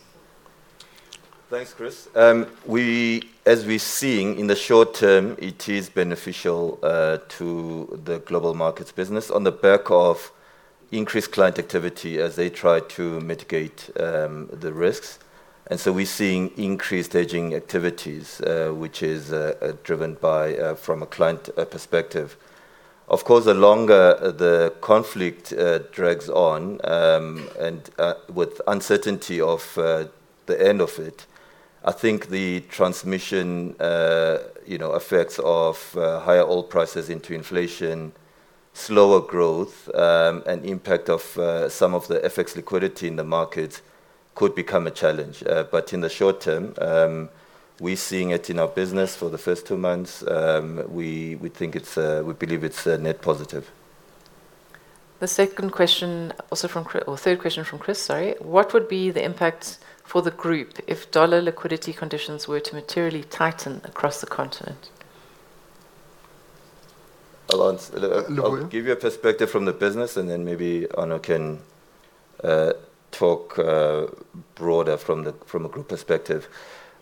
Thanks, Chris. As we're seeing in the short term, it is beneficial to the global markets business on the back of increased client activity as they try to mitigate the risks. We're seeing increased hedging activities which is driven by from a client perspective. Of course, the longer the conflict drags on and with uncertainty of the end of it, I think the transmission you know effects of higher oil prices into inflation, slower growth and impact of some of the FX liquidity in the market could become a challenge. In the short term, we're seeing it in our business for the first two months, we think it's we believe it's a net positive. The second question also from or third question from Chris, sorry. What would be the impact for the group if dollar liquidity conditions were to materially tighten across the continent? I'll ans- Luvuyo. Look, I'll give you a perspective from the business, and then maybe Arno can talk broader from a group perspective.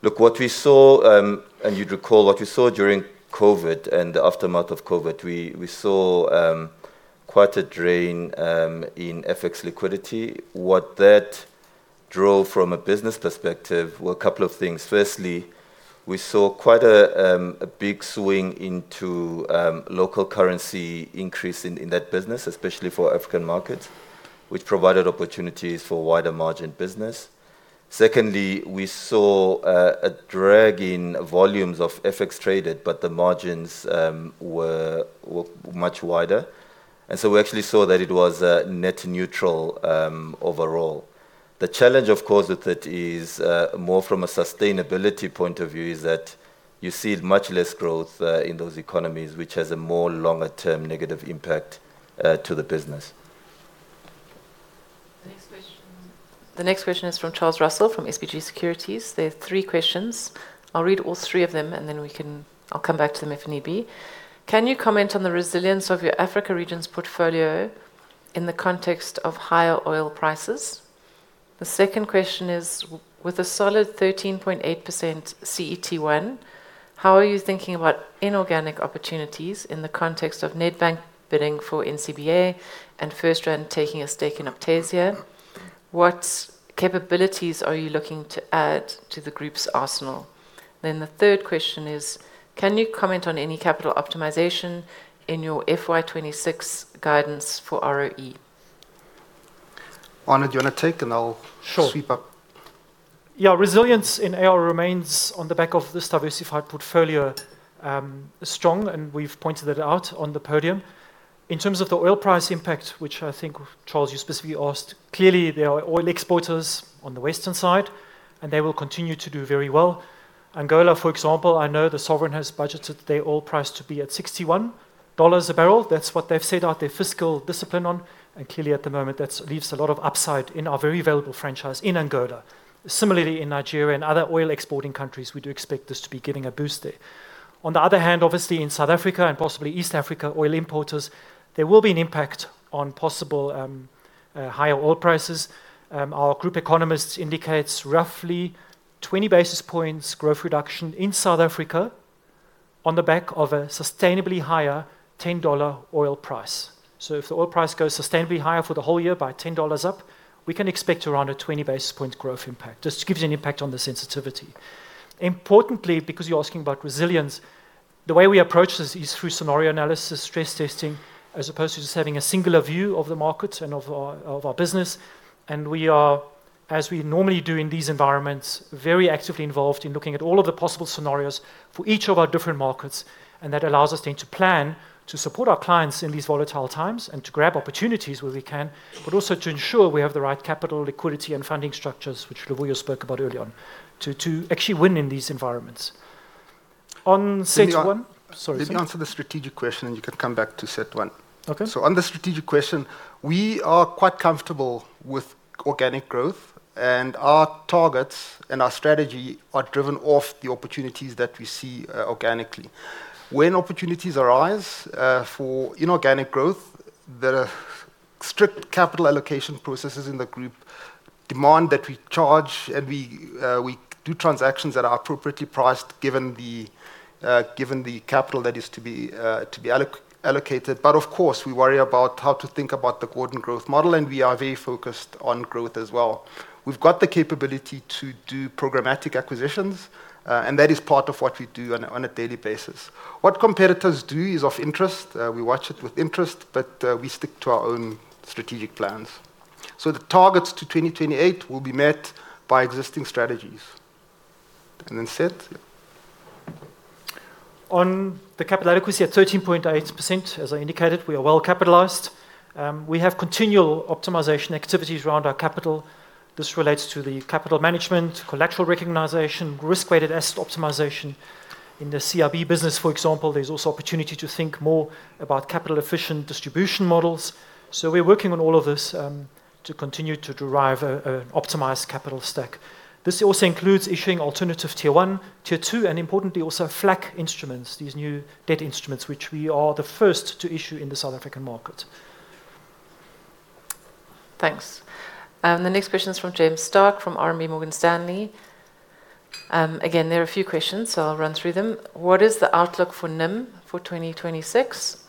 Look, what we saw, and you'd recall what we saw during COVID and the aftermath of COVID, we saw quite a drain in FX liquidity. What that drove from a business perspective were a couple of things. Firstly, we saw quite a big swing into local currency increase in that business, especially for African markets, which provided opportunities for wider margin business. Secondly, we saw a drag in volumes of FX traded, but the margins were much wider. We actually saw that it was net neutral overall. The challenge, of course, with it is, more from a sustainability point of view, is that you see much less growth, in those economies, which has a more longer-term negative impact, to the business. The next question is from Charles Russell from SBG Securities. There are three questions. I'll read all three of them, and then we can. I'll come back to them if need be. Can you comment on the resilience of your Africa regions portfolio in the context of higher oil prices? The second question is, with a solid 13.8% CET1, how are you thinking about inorganic opportunities in the context of Nedbank bidding for NCBA and FirstRand taking a stake in Optasia? What capabilities are you looking to add to the group's arsenal? The third question is, can you comment on any capital optimization in your FY 2026 guidance for ROE? Arno, do you wanna take? Sure. Yeah, resilience in AR remains on the back of this diversified portfolio, strong, and we've pointed it out on the podium. In terms of the oil price impact, which I think, Charles, you specifically asked, clearly, there are oil exporters on the western side, and they will continue to do very well. Angola, for example, I know the sovereign has budgeted their oil price to be at $61 a barrel. That's what they've set out their fiscal discipline on, and clearly at the moment, that leaves a lot of upside in our very valuable franchise in Angola. Similarly, in Nigeria and other oil-exporting countries, we do expect this to be giving a boost there. On the other hand, obviously, in South Africa and possibly East Africa, oil importers, there will be an impact on possible higher oil prices. Our group economists indicates roughly 20 basis points growth reduction in South Africa on the back of a sustainably higher $10 oil price. If the oil price goes sustainably higher for the whole year by $10 up, we can expect around a 20 basis point growth impact. Just gives you an impact on the sensitivity. Importantly, because you're asking about resilience, the way we approach this is through scenario analysis, stress testing, as opposed to just having a singular view of the market and of our business. We are, as we normally do in these environments, very actively involved in looking at all of the possible scenarios for each of our different markets, and that allows us then to plan to support our clients in these volatile times and to grab opportunities where we can, but also to ensure we have the right capital, liquidity, and funding structures, which Luvuyo spoke about earlier on, to actually win in these environments. On CET1- Let me a- Sorry. Let me answer the strategic question, and you can come back to CET1. Okay. On the strategic question, we are quite comfortable with organic growth, and our targets and our strategy are driven off the opportunities that we see organically. When opportunities arise for inorganic growth, the strict capital allocation processes in the group demand that we charge and we do transactions that are appropriately priced given the capital that is to be allocated. Of course, we worry about how to think about the golden growth model, and we are very focused on growth as well. We've got the capability to do programmatic acquisitions, and that is part of what we do on a daily basis. What competitors do is of interest. We watch it with interest, but we stick to our own strategic plans. The targets to 2028 will be met by existing strategies. And then CET1. On the capital adequacy at 13.8%, as I indicated, we are well-capitalized. We have continual optimization activities around our capital. This relates to the capital management, collateral recognition, risk-weighted asset optimization. In the CIB business, for example, there's also opportunity to think more about capital-efficient distribution models. We're working on all of this, to continue to derive a optimized capital stack. This also includes issuing Additional Tier 1, Tier 2, and importantly also FLAC instruments, these new debt instruments which we are the first to issue in the South African market. Thanks. The next question is from James Starke, from RMB Morgan Stanley. Again, there are a few questions, so I'll run through them. What is the outlook for NIM for 2026?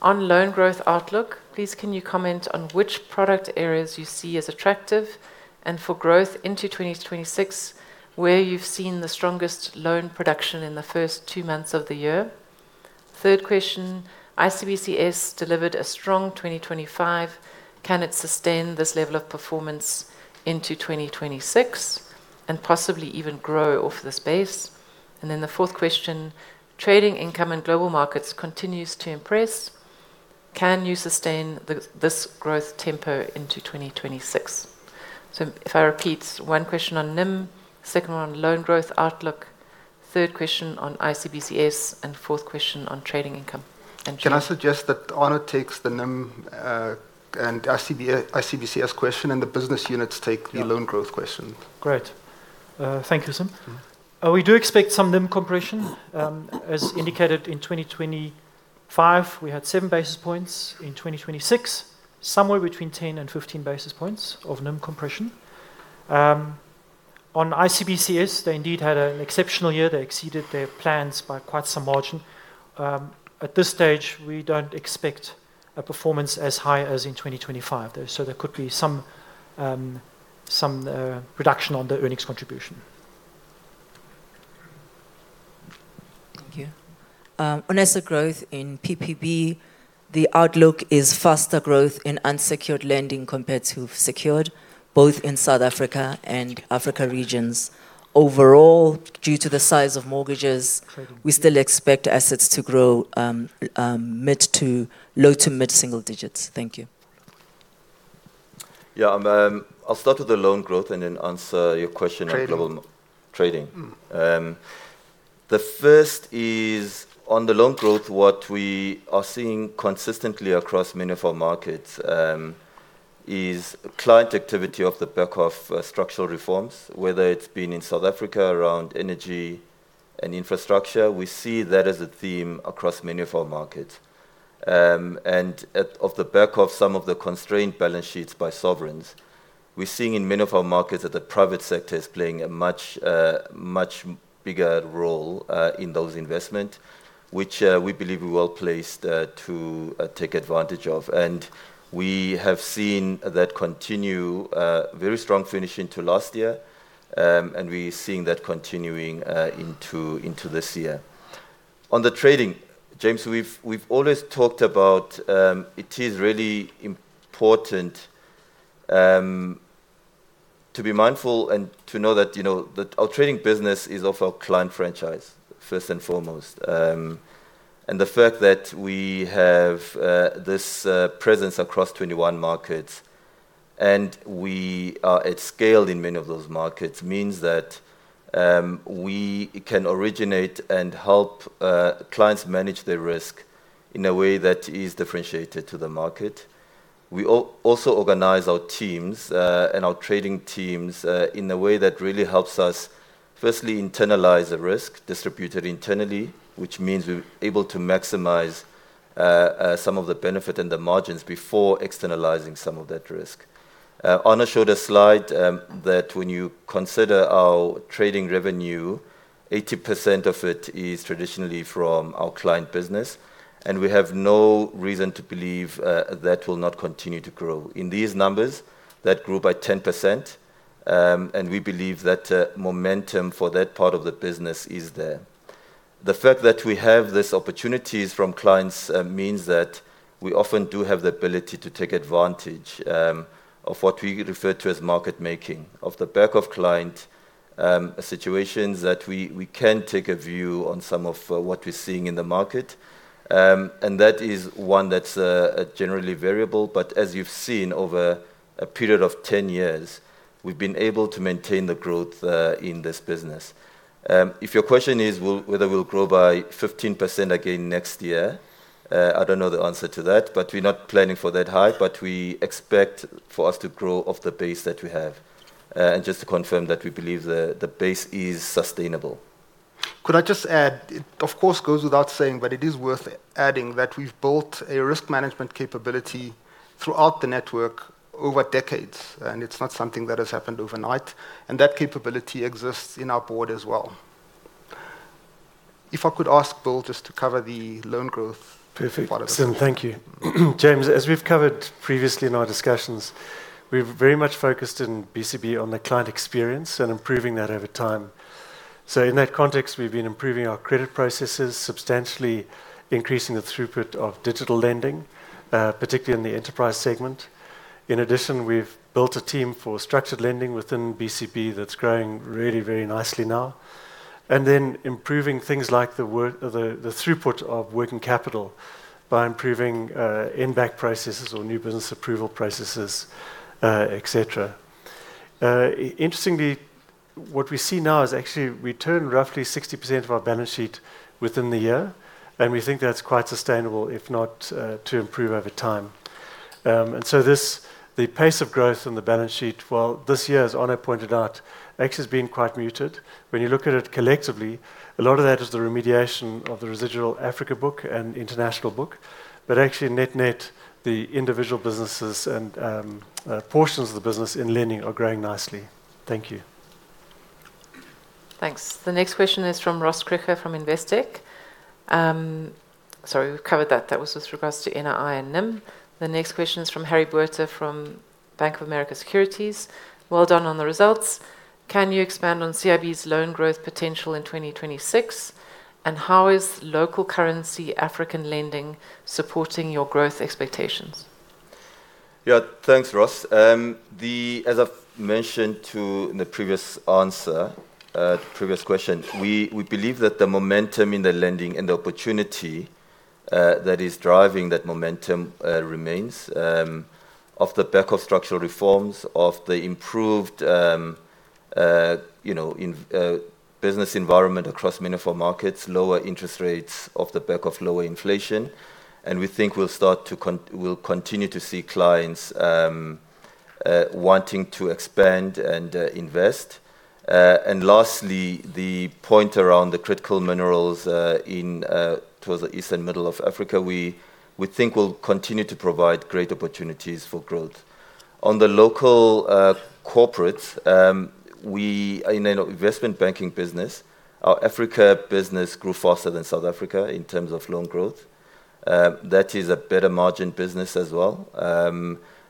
On loan growth outlook, please can you comment on which product areas you see as attractive and for growth into 2026, where you've seen the strongest loan production in the first two months of the year? Third question, ICBCS delivered a strong 2025. Can it sustain this level of performance into 2026 and possibly even grow off this base? Then the fourth question, trading income in global markets continues to impress. Can you sustain this growth tempo into 2026? If I repeat, one question on NIM, second one on loan growth outlook, third question on ICBCS, and fourth question on trading income. Thank you. Can I suggest that Arno takes the NIM and ICBCS question, and the business units take the loan growth question. Great. Thank you, Sim. Mm-hmm. We do expect some NIM compression. As indicated in 2025, we had 7 basis points. In 2026, somewhere between 10 and 15 basis points of NIM compression. On ICBCS, they indeed had an exceptional year. They exceeded their plans by quite some margin. At this stage, we don't expect a performance as high as in 2025, though. There could be some reduction on the earnings contribution. Thank you. On asset growth in PPB, the outlook is faster growth in unsecured lending compared to secured, both in South Africa and Africa regions. Overall, due to the size of mortgages, we still expect assets to grow low to mid-single digits. Thank you. Yeah. I'll start with the loan growth and then answer your question on global- Trading. Trading. The first is on the loan growth, what we are seeing consistently across many of our markets, is client activity off the back of structural reforms, whether it's been in South Africa around energy and infrastructure. We see that as a theme across many of our markets. Off the back of some of the constrained balance sheets of sovereigns. We're seeing in many of our markets that the private sector is playing a much bigger role in those investments, which we believe we're well-placed to take advantage of. We have seen that continue very strong finish into last year, and we're seeing that continuing into this year. On the trading, James, we've always talked about it. It is really important to be mindful and to know that, you know, that our trading business is of our client franchise first and foremost. The fact that we have this presence across 21 markets and we are at scale in many of those markets means that we can originate and help clients manage their risk in a way that is differentiated to the market. We also organize our teams and our trading teams in a way that really helps us firstly internalize the risk distributed internally, which means we're able to maximize some of the benefit and the margins before externalizing some of that risk. Arno showed a slide that when you consider our trading revenue, 80% of it is traditionally from our client business, and we have no reason to believe that will not continue to grow. In these numbers, that grew by 10%, and we believe that momentum for that part of the business is there. The fact that we have these opportunities from clients means that we often do have the ability to take advantage of what we refer to as market making. Off the back of client situations that we can take a view on some of what we're seeing in the market. That is one that's generally variable. As you've seen over a period of 10 years, we've been able to maintain the growth in this business. If your question is whether we'll grow by 15% again next year, I don't know the answer to that. We're not planning for that high, but we expect for us to grow off the base that we have. Just to confirm that we believe the base is sustainable. Could I just add, it of course goes without saying, but it is worth adding that we've built a risk management capability throughout the network over decades, and it's not something that has happened overnight, and that capability exists in our board as well. If I could ask Bill just to cover the loan growth. Perfect. Part of it. Thank you. James, as we've covered previously in our discussions, we've very much focused in BCB on the client experience and improving that over time. In that context, we've been improving our credit processes, substantially increasing the throughput of digital lending, particularly in the enterprise segment. In addition, we've built a team for structured lending within BCB that's growing really very nicely now. Improving things like the throughput of working capital by improving impairment processes or new business approval processes, et cetera. Interestingly, what we see now is actually we turn roughly 60% of our balance sheet within the year, and we think that's quite sustainable, if not to improve over time. The pace of growth on the balance sheet, well, this year, as Arno pointed out, actually has been quite muted. When you look at it collectively, a lot of that is the remediation of the residual Africa book and International book. Actually net-net, the individual businesses and, portions of the business in lending are growing nicely. Thank you. Thanks. The next question is from Ross Krige from Investec. Sorry, we've covered that. That was with regards to NII and NIM. The next question is from Harry Botha from Bank of America Securities. Well done on the results. Can you expand on CIB's loan growth potential in 2026? And how is local currency African lending supporting your growth expectations? Yeah, thanks, Ross. As I've mentioned in the previous answer, previous question, we believe that the momentum in the lending and the opportunity that is driving that momentum remains off the back of structural reforms, off the improved, you know, business environment across many of our markets, lower interest rates off the back of lower inflation. We think we'll continue to see clients wanting to expand and invest. Lastly, the point around the critical minerals in towards the East and Middle of Africa, we think will continue to provide great opportunities for growth. On the local corporates, in our investment banking business, our Africa business grew faster than South Africa in terms of loan growth. That is a better margin business as well,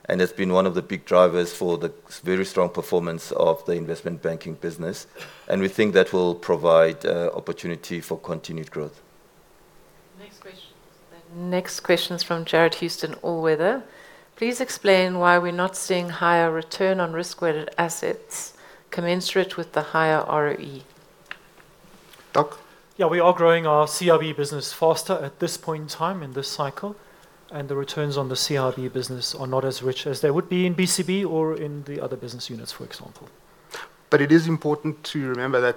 and it's been one of the big drivers for the very strong performance of the investment banking business. We think that will provide opportunity for continued growth. Next question. The next question is from Jarred Houston, All Weather. Please explain why we're not seeing higher return on risk-weighted assets commensurate with the higher ROE? Doc? Yeah, we are growing our CIB business faster at this point in time in this cycle, and the returns on the CIB business are not as rich as they would be in BCB or in the other business units, for example. It is important to remember that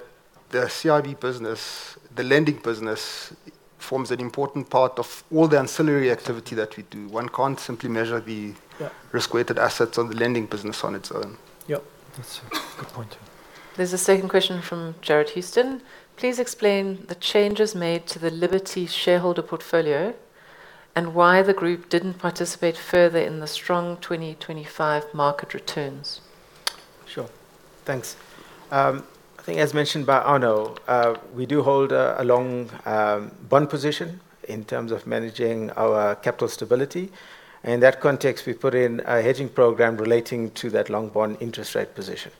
the CIB business, the lending business, forms an important part of all the ancillary activity that we do. One can't simply measure the- Yeah risk-weighted assets of the lending business on its own. Yep, that's a good point. There's a second question from Jarred Houston. Please explain the changes made to the Liberty shareholder portfolio and why the group didn't participate further in the strong 2025 market returns. Sure. Thanks. I think as mentioned by Arno, we do hold a long bond position in terms of managing our capital stability. In that context, we put in a hedging program relating to that long bond interest rate position.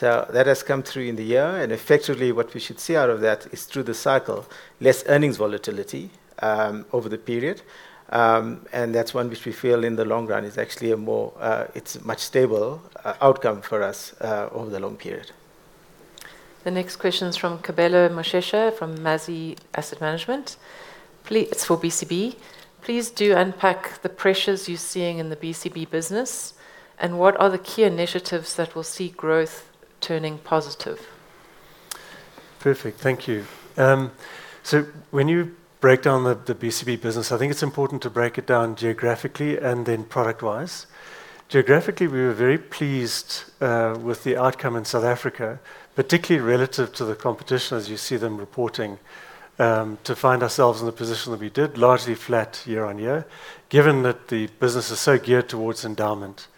That has come through in the year, and effectively what we should see out of that is through the cycle, less earnings volatility over the period. That's one which we feel in the long run is actually a more stable outcome for us over the long period. The next question is from Kabelo Moshesha from Mazi Asset Management. It's for BCB. Please do unpack the pressures you're seeing in the BCB business and what are the key initiatives that will see growth turning positive? Perfect. Thank you. So when you break down the BCB business, I think it's important to break it down geographically and then product-wise. Geographically, we were very pleased with the outcome in South Africa, particularly relative to the competition as you see them reporting to find ourselves in the position that we did, largely flat year-on-year, given that the business is so geared towards endowment.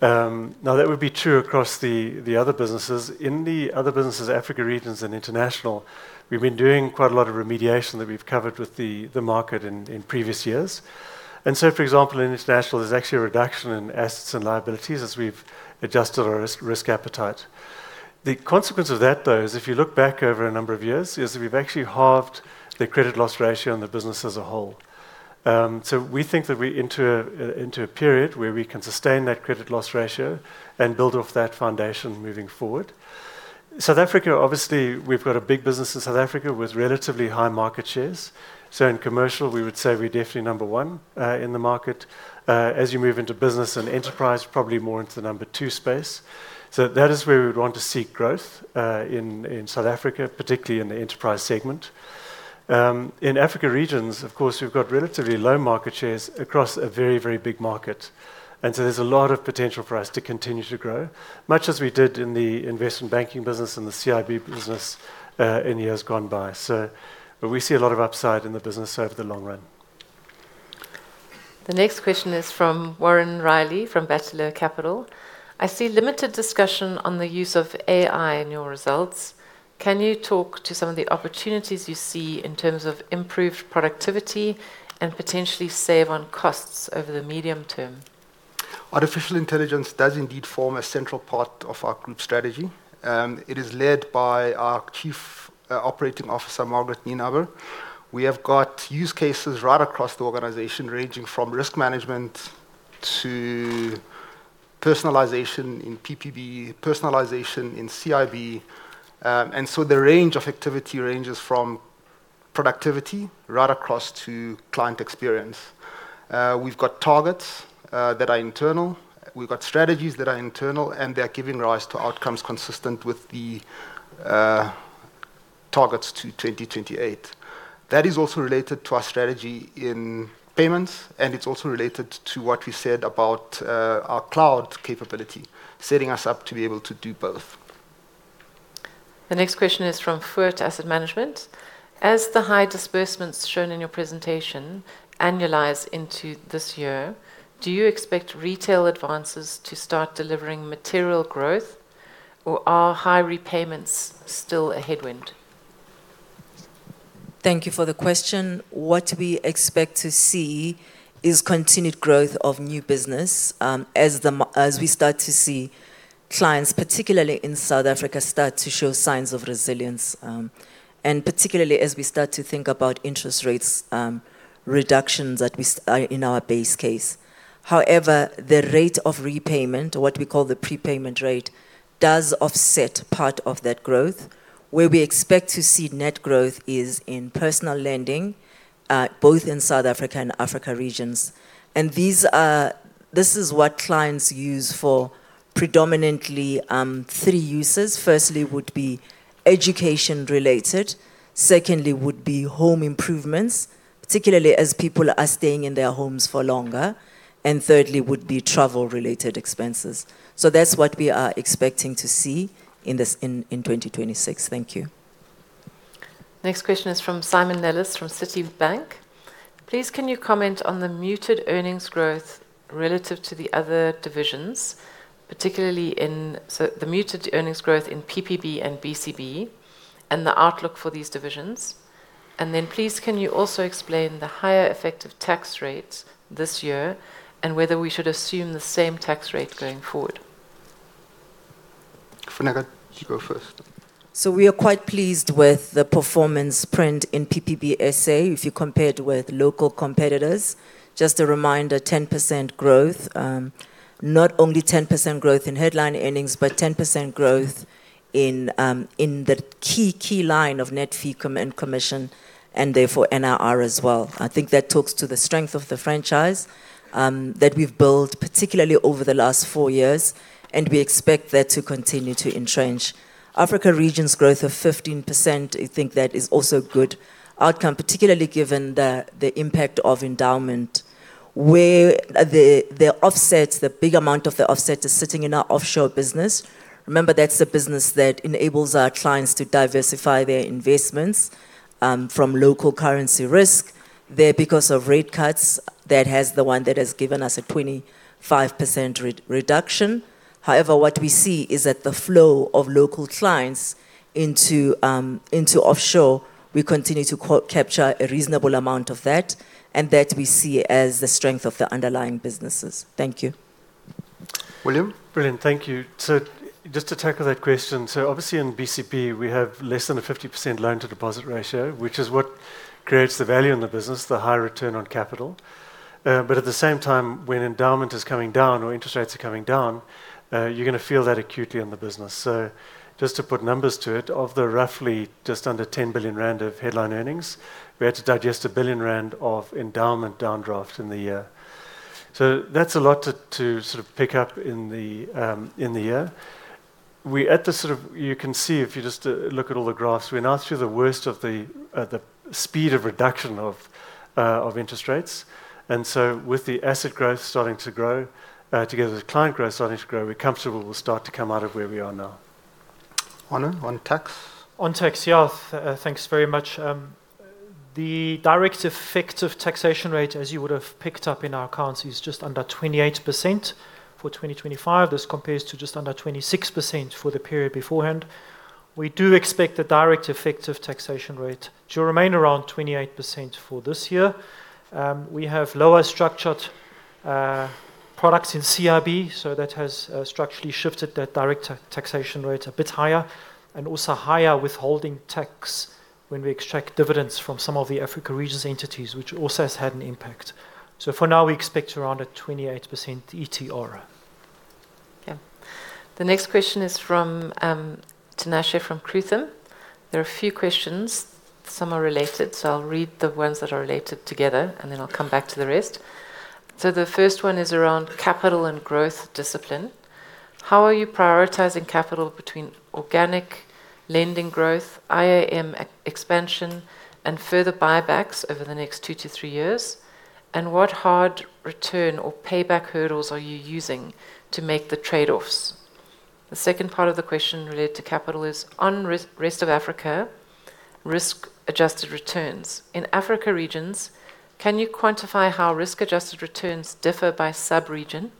Now that would be true across the other businesses. In the other businesses, Africa regions and international, we've been doing quite a lot of remediation that we've covered with the market in previous years. For example, in international, there's actually a reduction in assets and liabilities as we've adjusted our risk appetite. The consequence of that, though, is if you look back over a number of years, is we've actually halved the credit loss ratio on the business as a whole. We think that we enter into a period where we can sustain that credit loss ratio and build off that foundation moving forward. South Africa, obviously, we've got a big business in South Africa with relatively high market shares. In commercial, we would say we're definitely number one in the market. As you move into business and enterprise, probably more into the number two space. That is where we would want to seek growth in South Africa, particularly in the enterprise segment. In Africa regions, of course, we've got relatively low market shares across a very, very big market. There's a lot of potential for us to continue to grow, much as we did in the investment banking business and the CIB business, in years gone by. We see a lot of upside in the business over the long run. The next question is from Warren Riley from Bateleur Capital. I see limited discussion on the use of AI in your results. Can you talk to some of the opportunities you see in terms of improved productivity and potentially save on costs over the medium term? Artificial intelligence does indeed form a central part of our group strategy. It is led by our Chief Operating Officer, Margaret Nienaber. We have got use cases right across the organization, ranging from risk management to personalization in PPB, personalization in CIB. The range of activity ranges from productivity right across to client experience. We've got targets that are internal, we've got strategies that are internal, and they are giving rise to outcomes consistent with the targets to 2028. That is also related to our strategy in payments, and it's also related to what we said about our cloud capability, setting us up to be able to do both. The next question is from Foord Asset Management. As the high disbursements shown in your presentation annualize into this year, do you expect retail advances to start delivering material growth, or are high repayments still a headwind? Thank you for the question. What we expect to see is continued growth of new business, as we start to see clients, particularly in South Africa, start to show signs of resilience. Particularly as we start to think about interest rates, reductions at least, in our base case. However, the rate of repayment, or what we call the prepayment rate, does offset part of that growth. Where we expect to see net growth is in personal lending, both in South Africa and Africa regions. These are what clients use for predominantly, three uses. Firstly would be education-related, secondly would be home improvements, particularly as people are staying in their homes for longer, and thirdly would be travel-related expenses. That's what we are expecting to see in 2026. Thank you. Next question is from Simon Nellis from Citibank. Please, can you comment on the muted earnings growth relative to the other divisions, particularly in the muted earnings growth in PPB and BCB and the outlook for these divisions. Please can you also explain the higher effective tax rates this year, and whether we should assume the same tax rate going forward. Funeka, you go first. We are quite pleased with the performance print in PPBSA, if you compare it with local competitors. Just a reminder, 10% growth. Not only 10% growth in headline earnings, but 10% growth in the key line of net fee and commission, and therefore NIR as well. I think that talks to the strength of the franchise that we've built, particularly over the last four years, and we expect that to continue to entrench. Africa region's growth of 15%, I think that is also good outcome, particularly given the impact of endowment, where the offset, the big amount of the offset is sitting in our offshore business. Remember, that's the business that enables our clients to diversify their investments from local currency risk. There, because of rate cuts, that's the one that has given us a 25% reduction. However, what we see is that the flow of local clients into offshore, we continue to capture a reasonable amount of that, and that we see as the strength of the underlying businesses. Thank you. William? Brilliant. Thank you. Just to tackle that question. Obviously in BCB we have less than 50% loan to deposit ratio, which is what creates the value in the business, the high return on capital. At the same time, when endowment is coming down or interest rates are coming down, you're gonna feel that acutely on the business. Just to put numbers to it, of the roughly just under 10 billion rand of headline earnings, we had to digest 1 billion rand of endowment downdraft in the year. That's a lot to sort of pick up in the year. You can see if you just look at all the graphs, we're now through the worst of the speed of reduction of interest rates. With the asset growth starting to grow, together with the client growth starting to grow, we're comfortable we'll start to come out of where we are now. Arno, on tax. Thanks very much. The direct effective taxation rate, as you would have picked up in our accounts, is just under 28% for 2025. This compares to just under 26% for the period beforehand. We do expect the direct effective taxation rate to remain around 28% for this year. We have lower structured products in CIB, so that has structurally shifted that direct taxation rate a bit higher, and also higher withholding tax when we extract dividends from some of the Africa regions entities, which also has had an impact. For now, we expect around a 28% ETR. Okay. The next question is from Tinashe from [Kruger]. There are a few questions. Some are related, so I'll read the ones that are related together, and then I'll come back to the rest. The first one is around capital and growth discipline. How are you prioritizing capital between organic lending growth, IAM expansion, and further buybacks over the next two to three years? And what hard return or payback hurdles are you using to make the trade-offs? The second part of the question related to capital is on rest of Africa risk-adjusted returns. In African regions, can you quantify how risk-adjusted returns differ by sub-region?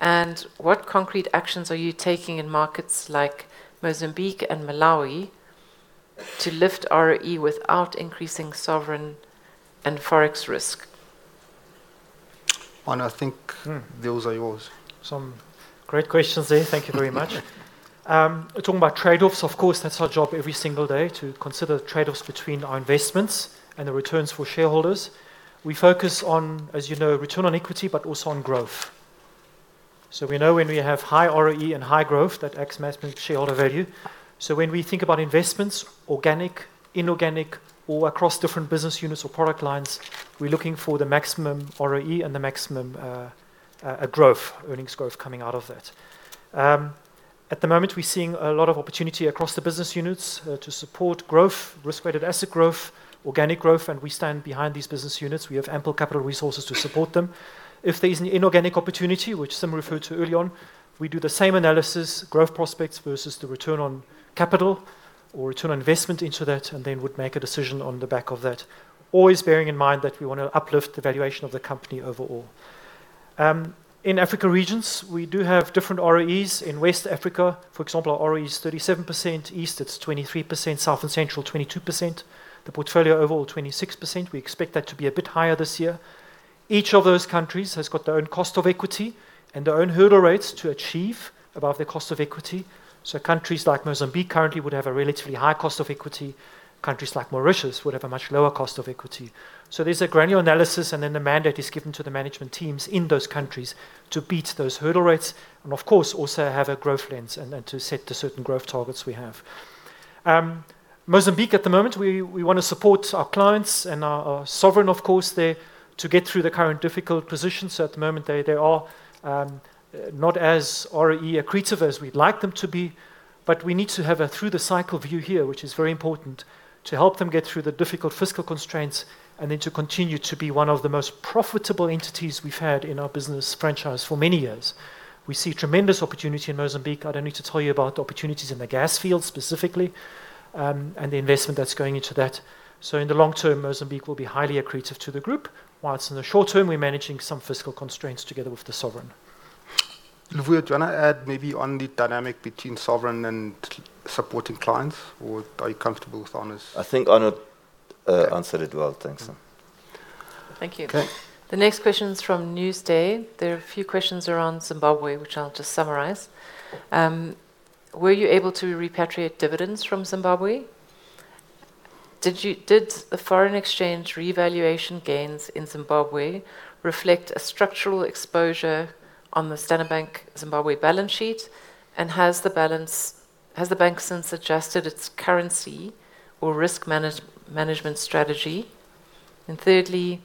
And what concrete actions are you taking in markets like Mozambique and Malawi to lift ROE without increasing sovereign and Forex risk? Arno, I think those are yours. Some great questions there. Thank you very much. Talking about trade-offs, of course, that's our job every single day to consider trade-offs between our investments and the returns for shareholders. We focus on, as you know, return on equity, but also on growth. We know when we have high ROE and high growth, that maximizes shareholder value. When we think about investments, organic, inorganic, or across different business units or product lines, we're looking for the maximum ROE and the maximum growth, earnings growth coming out of that. At the moment, we're seeing a lot of opportunity across the business units to support growth, risk-weighted assets growth, organic growth, and we stand behind these business units. We have ample capital resources to support them. If there is an inorganic opportunity, which some referred to early on, we do the same analysis, growth prospects versus the return on capital or return on investment into that, and then would make a decision on the back of that. Always bearing in mind that we wanna uplift the valuation of the company overall. In Africa regions, we do have different ROEs. In West Africa, for example, our ROE is 37%, East it's 23%, South and Central, 22%. The portfolio overall, 26%. We expect that to be a bit higher this year. Each of those countries has got their own cost of equity and their own hurdle rates to achieve above their cost of equity. Countries like Mozambique currently would have a relatively high cost of equity. Countries like Mauritius would have a much lower cost of equity. There's a granular analysis, and then the mandate is given to the management teams in those countries to beat those hurdle rates and of course, also have a growth lens and to set the certain growth targets we have. Mozambique, at the moment, we wanna support our clients and our sovereign, of course, there to get through the current difficult position. At the moment, they are not as ROE accretive as we'd like them to be, but we need to have a through the cycle view here, which is very important to help them get through the difficult fiscal constraints and then to continue to be one of the most profitable entities we've had in our business franchise for many years. We see tremendous opportunity in Mozambique. I don't need to tell you about the opportunities in the gas field specifically, and the investment that's going into that. In the long term, Mozambique will be highly accretive to the group, while in the short term, we're managing some fiscal constraints together with the sovereign. Luvuyo, do you wanna add maybe on the dynamic between sovereign and supporting clients or are you comfortable with Arno's- I think Arno answered it well. Thanks, sir. Thank you. Okay. The next question is from NewsDay. There are a few questions around Zimbabwe, which I'll just summarize. Were you able to repatriate dividends from Zimbabwe? Did the foreign exchange revaluation gains in Zimbabwe reflect a structural exposure on the Standard Bank Zimbabwe balance sheet? Has the bank since adjusted its currency or risk management strategy? Thirdly,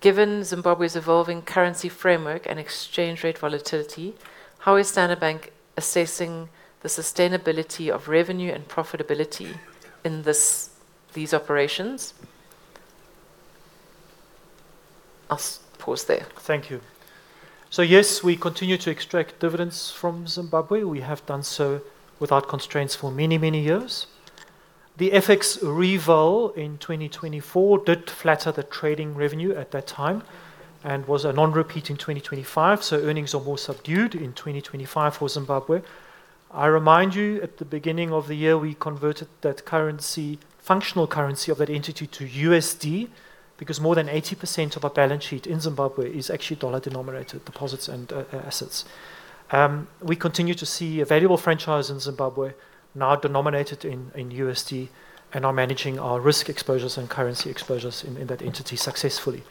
given Zimbabwe's evolving currency framework and exchange rate volatility, how is Standard Bank assessing the sustainability of revenue and profitability in these operations? I'll pause there. Thank you. Yes, we continue to extract dividends from Zimbabwe. We have done so without constraints for many, many years. The FX reval in 2024 did flatter the trading revenue at that time and was a non-repeat in 2025, so earnings are more subdued in 2025 for Zimbabwe. I remind you, at the beginning of the year, we converted that currency, functional currency of that entity to USD because more than 80% of our balance sheet in Zimbabwe is actually dollar-denominated deposits and assets. We continue to see a valuable franchise in Zimbabwe now denominated in USD and are managing our risk exposures and currency exposures in that entity successfully.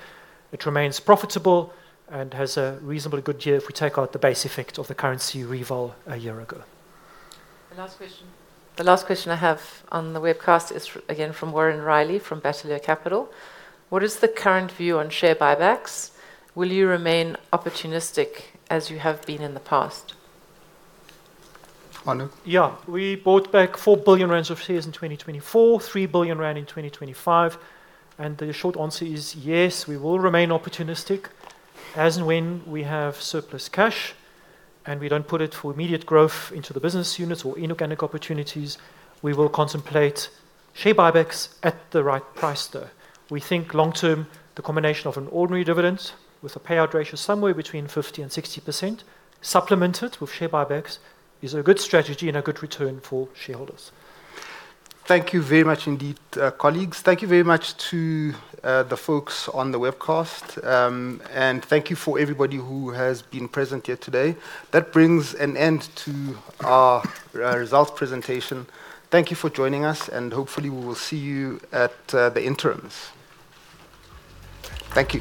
It remains profitable and has a reasonably good year if we take out the base effect of the currency reval a year ago. The last question I have on the webcast is again from Warren Riley from Bateleur Capital. What is the current view on share buybacks? Will you remain opportunistic as you have been in the past? Arno? Yeah. We bought back 4 billion rand of shares in 2024, 3 billion rand in 2025, and the short answer is yes, we will remain opportunistic as and when we have surplus cash and we don't put it for immediate growth into the business units or inorganic opportunities. We will contemplate share buybacks at the right price, though. We think long term, the combination of an ordinary dividend with a payout ratio somewhere between 50% and 60%, supplemented with share buybacks, is a good strategy and a good return for shareholders. Thank you very much indeed, colleagues. Thank you very much to, the folks on the webcast. Thank you for everybody who has been present here today. That brings an end to our results presentation. Thank you for joining us, and hopefully, we will see you at, the interims. Thank you.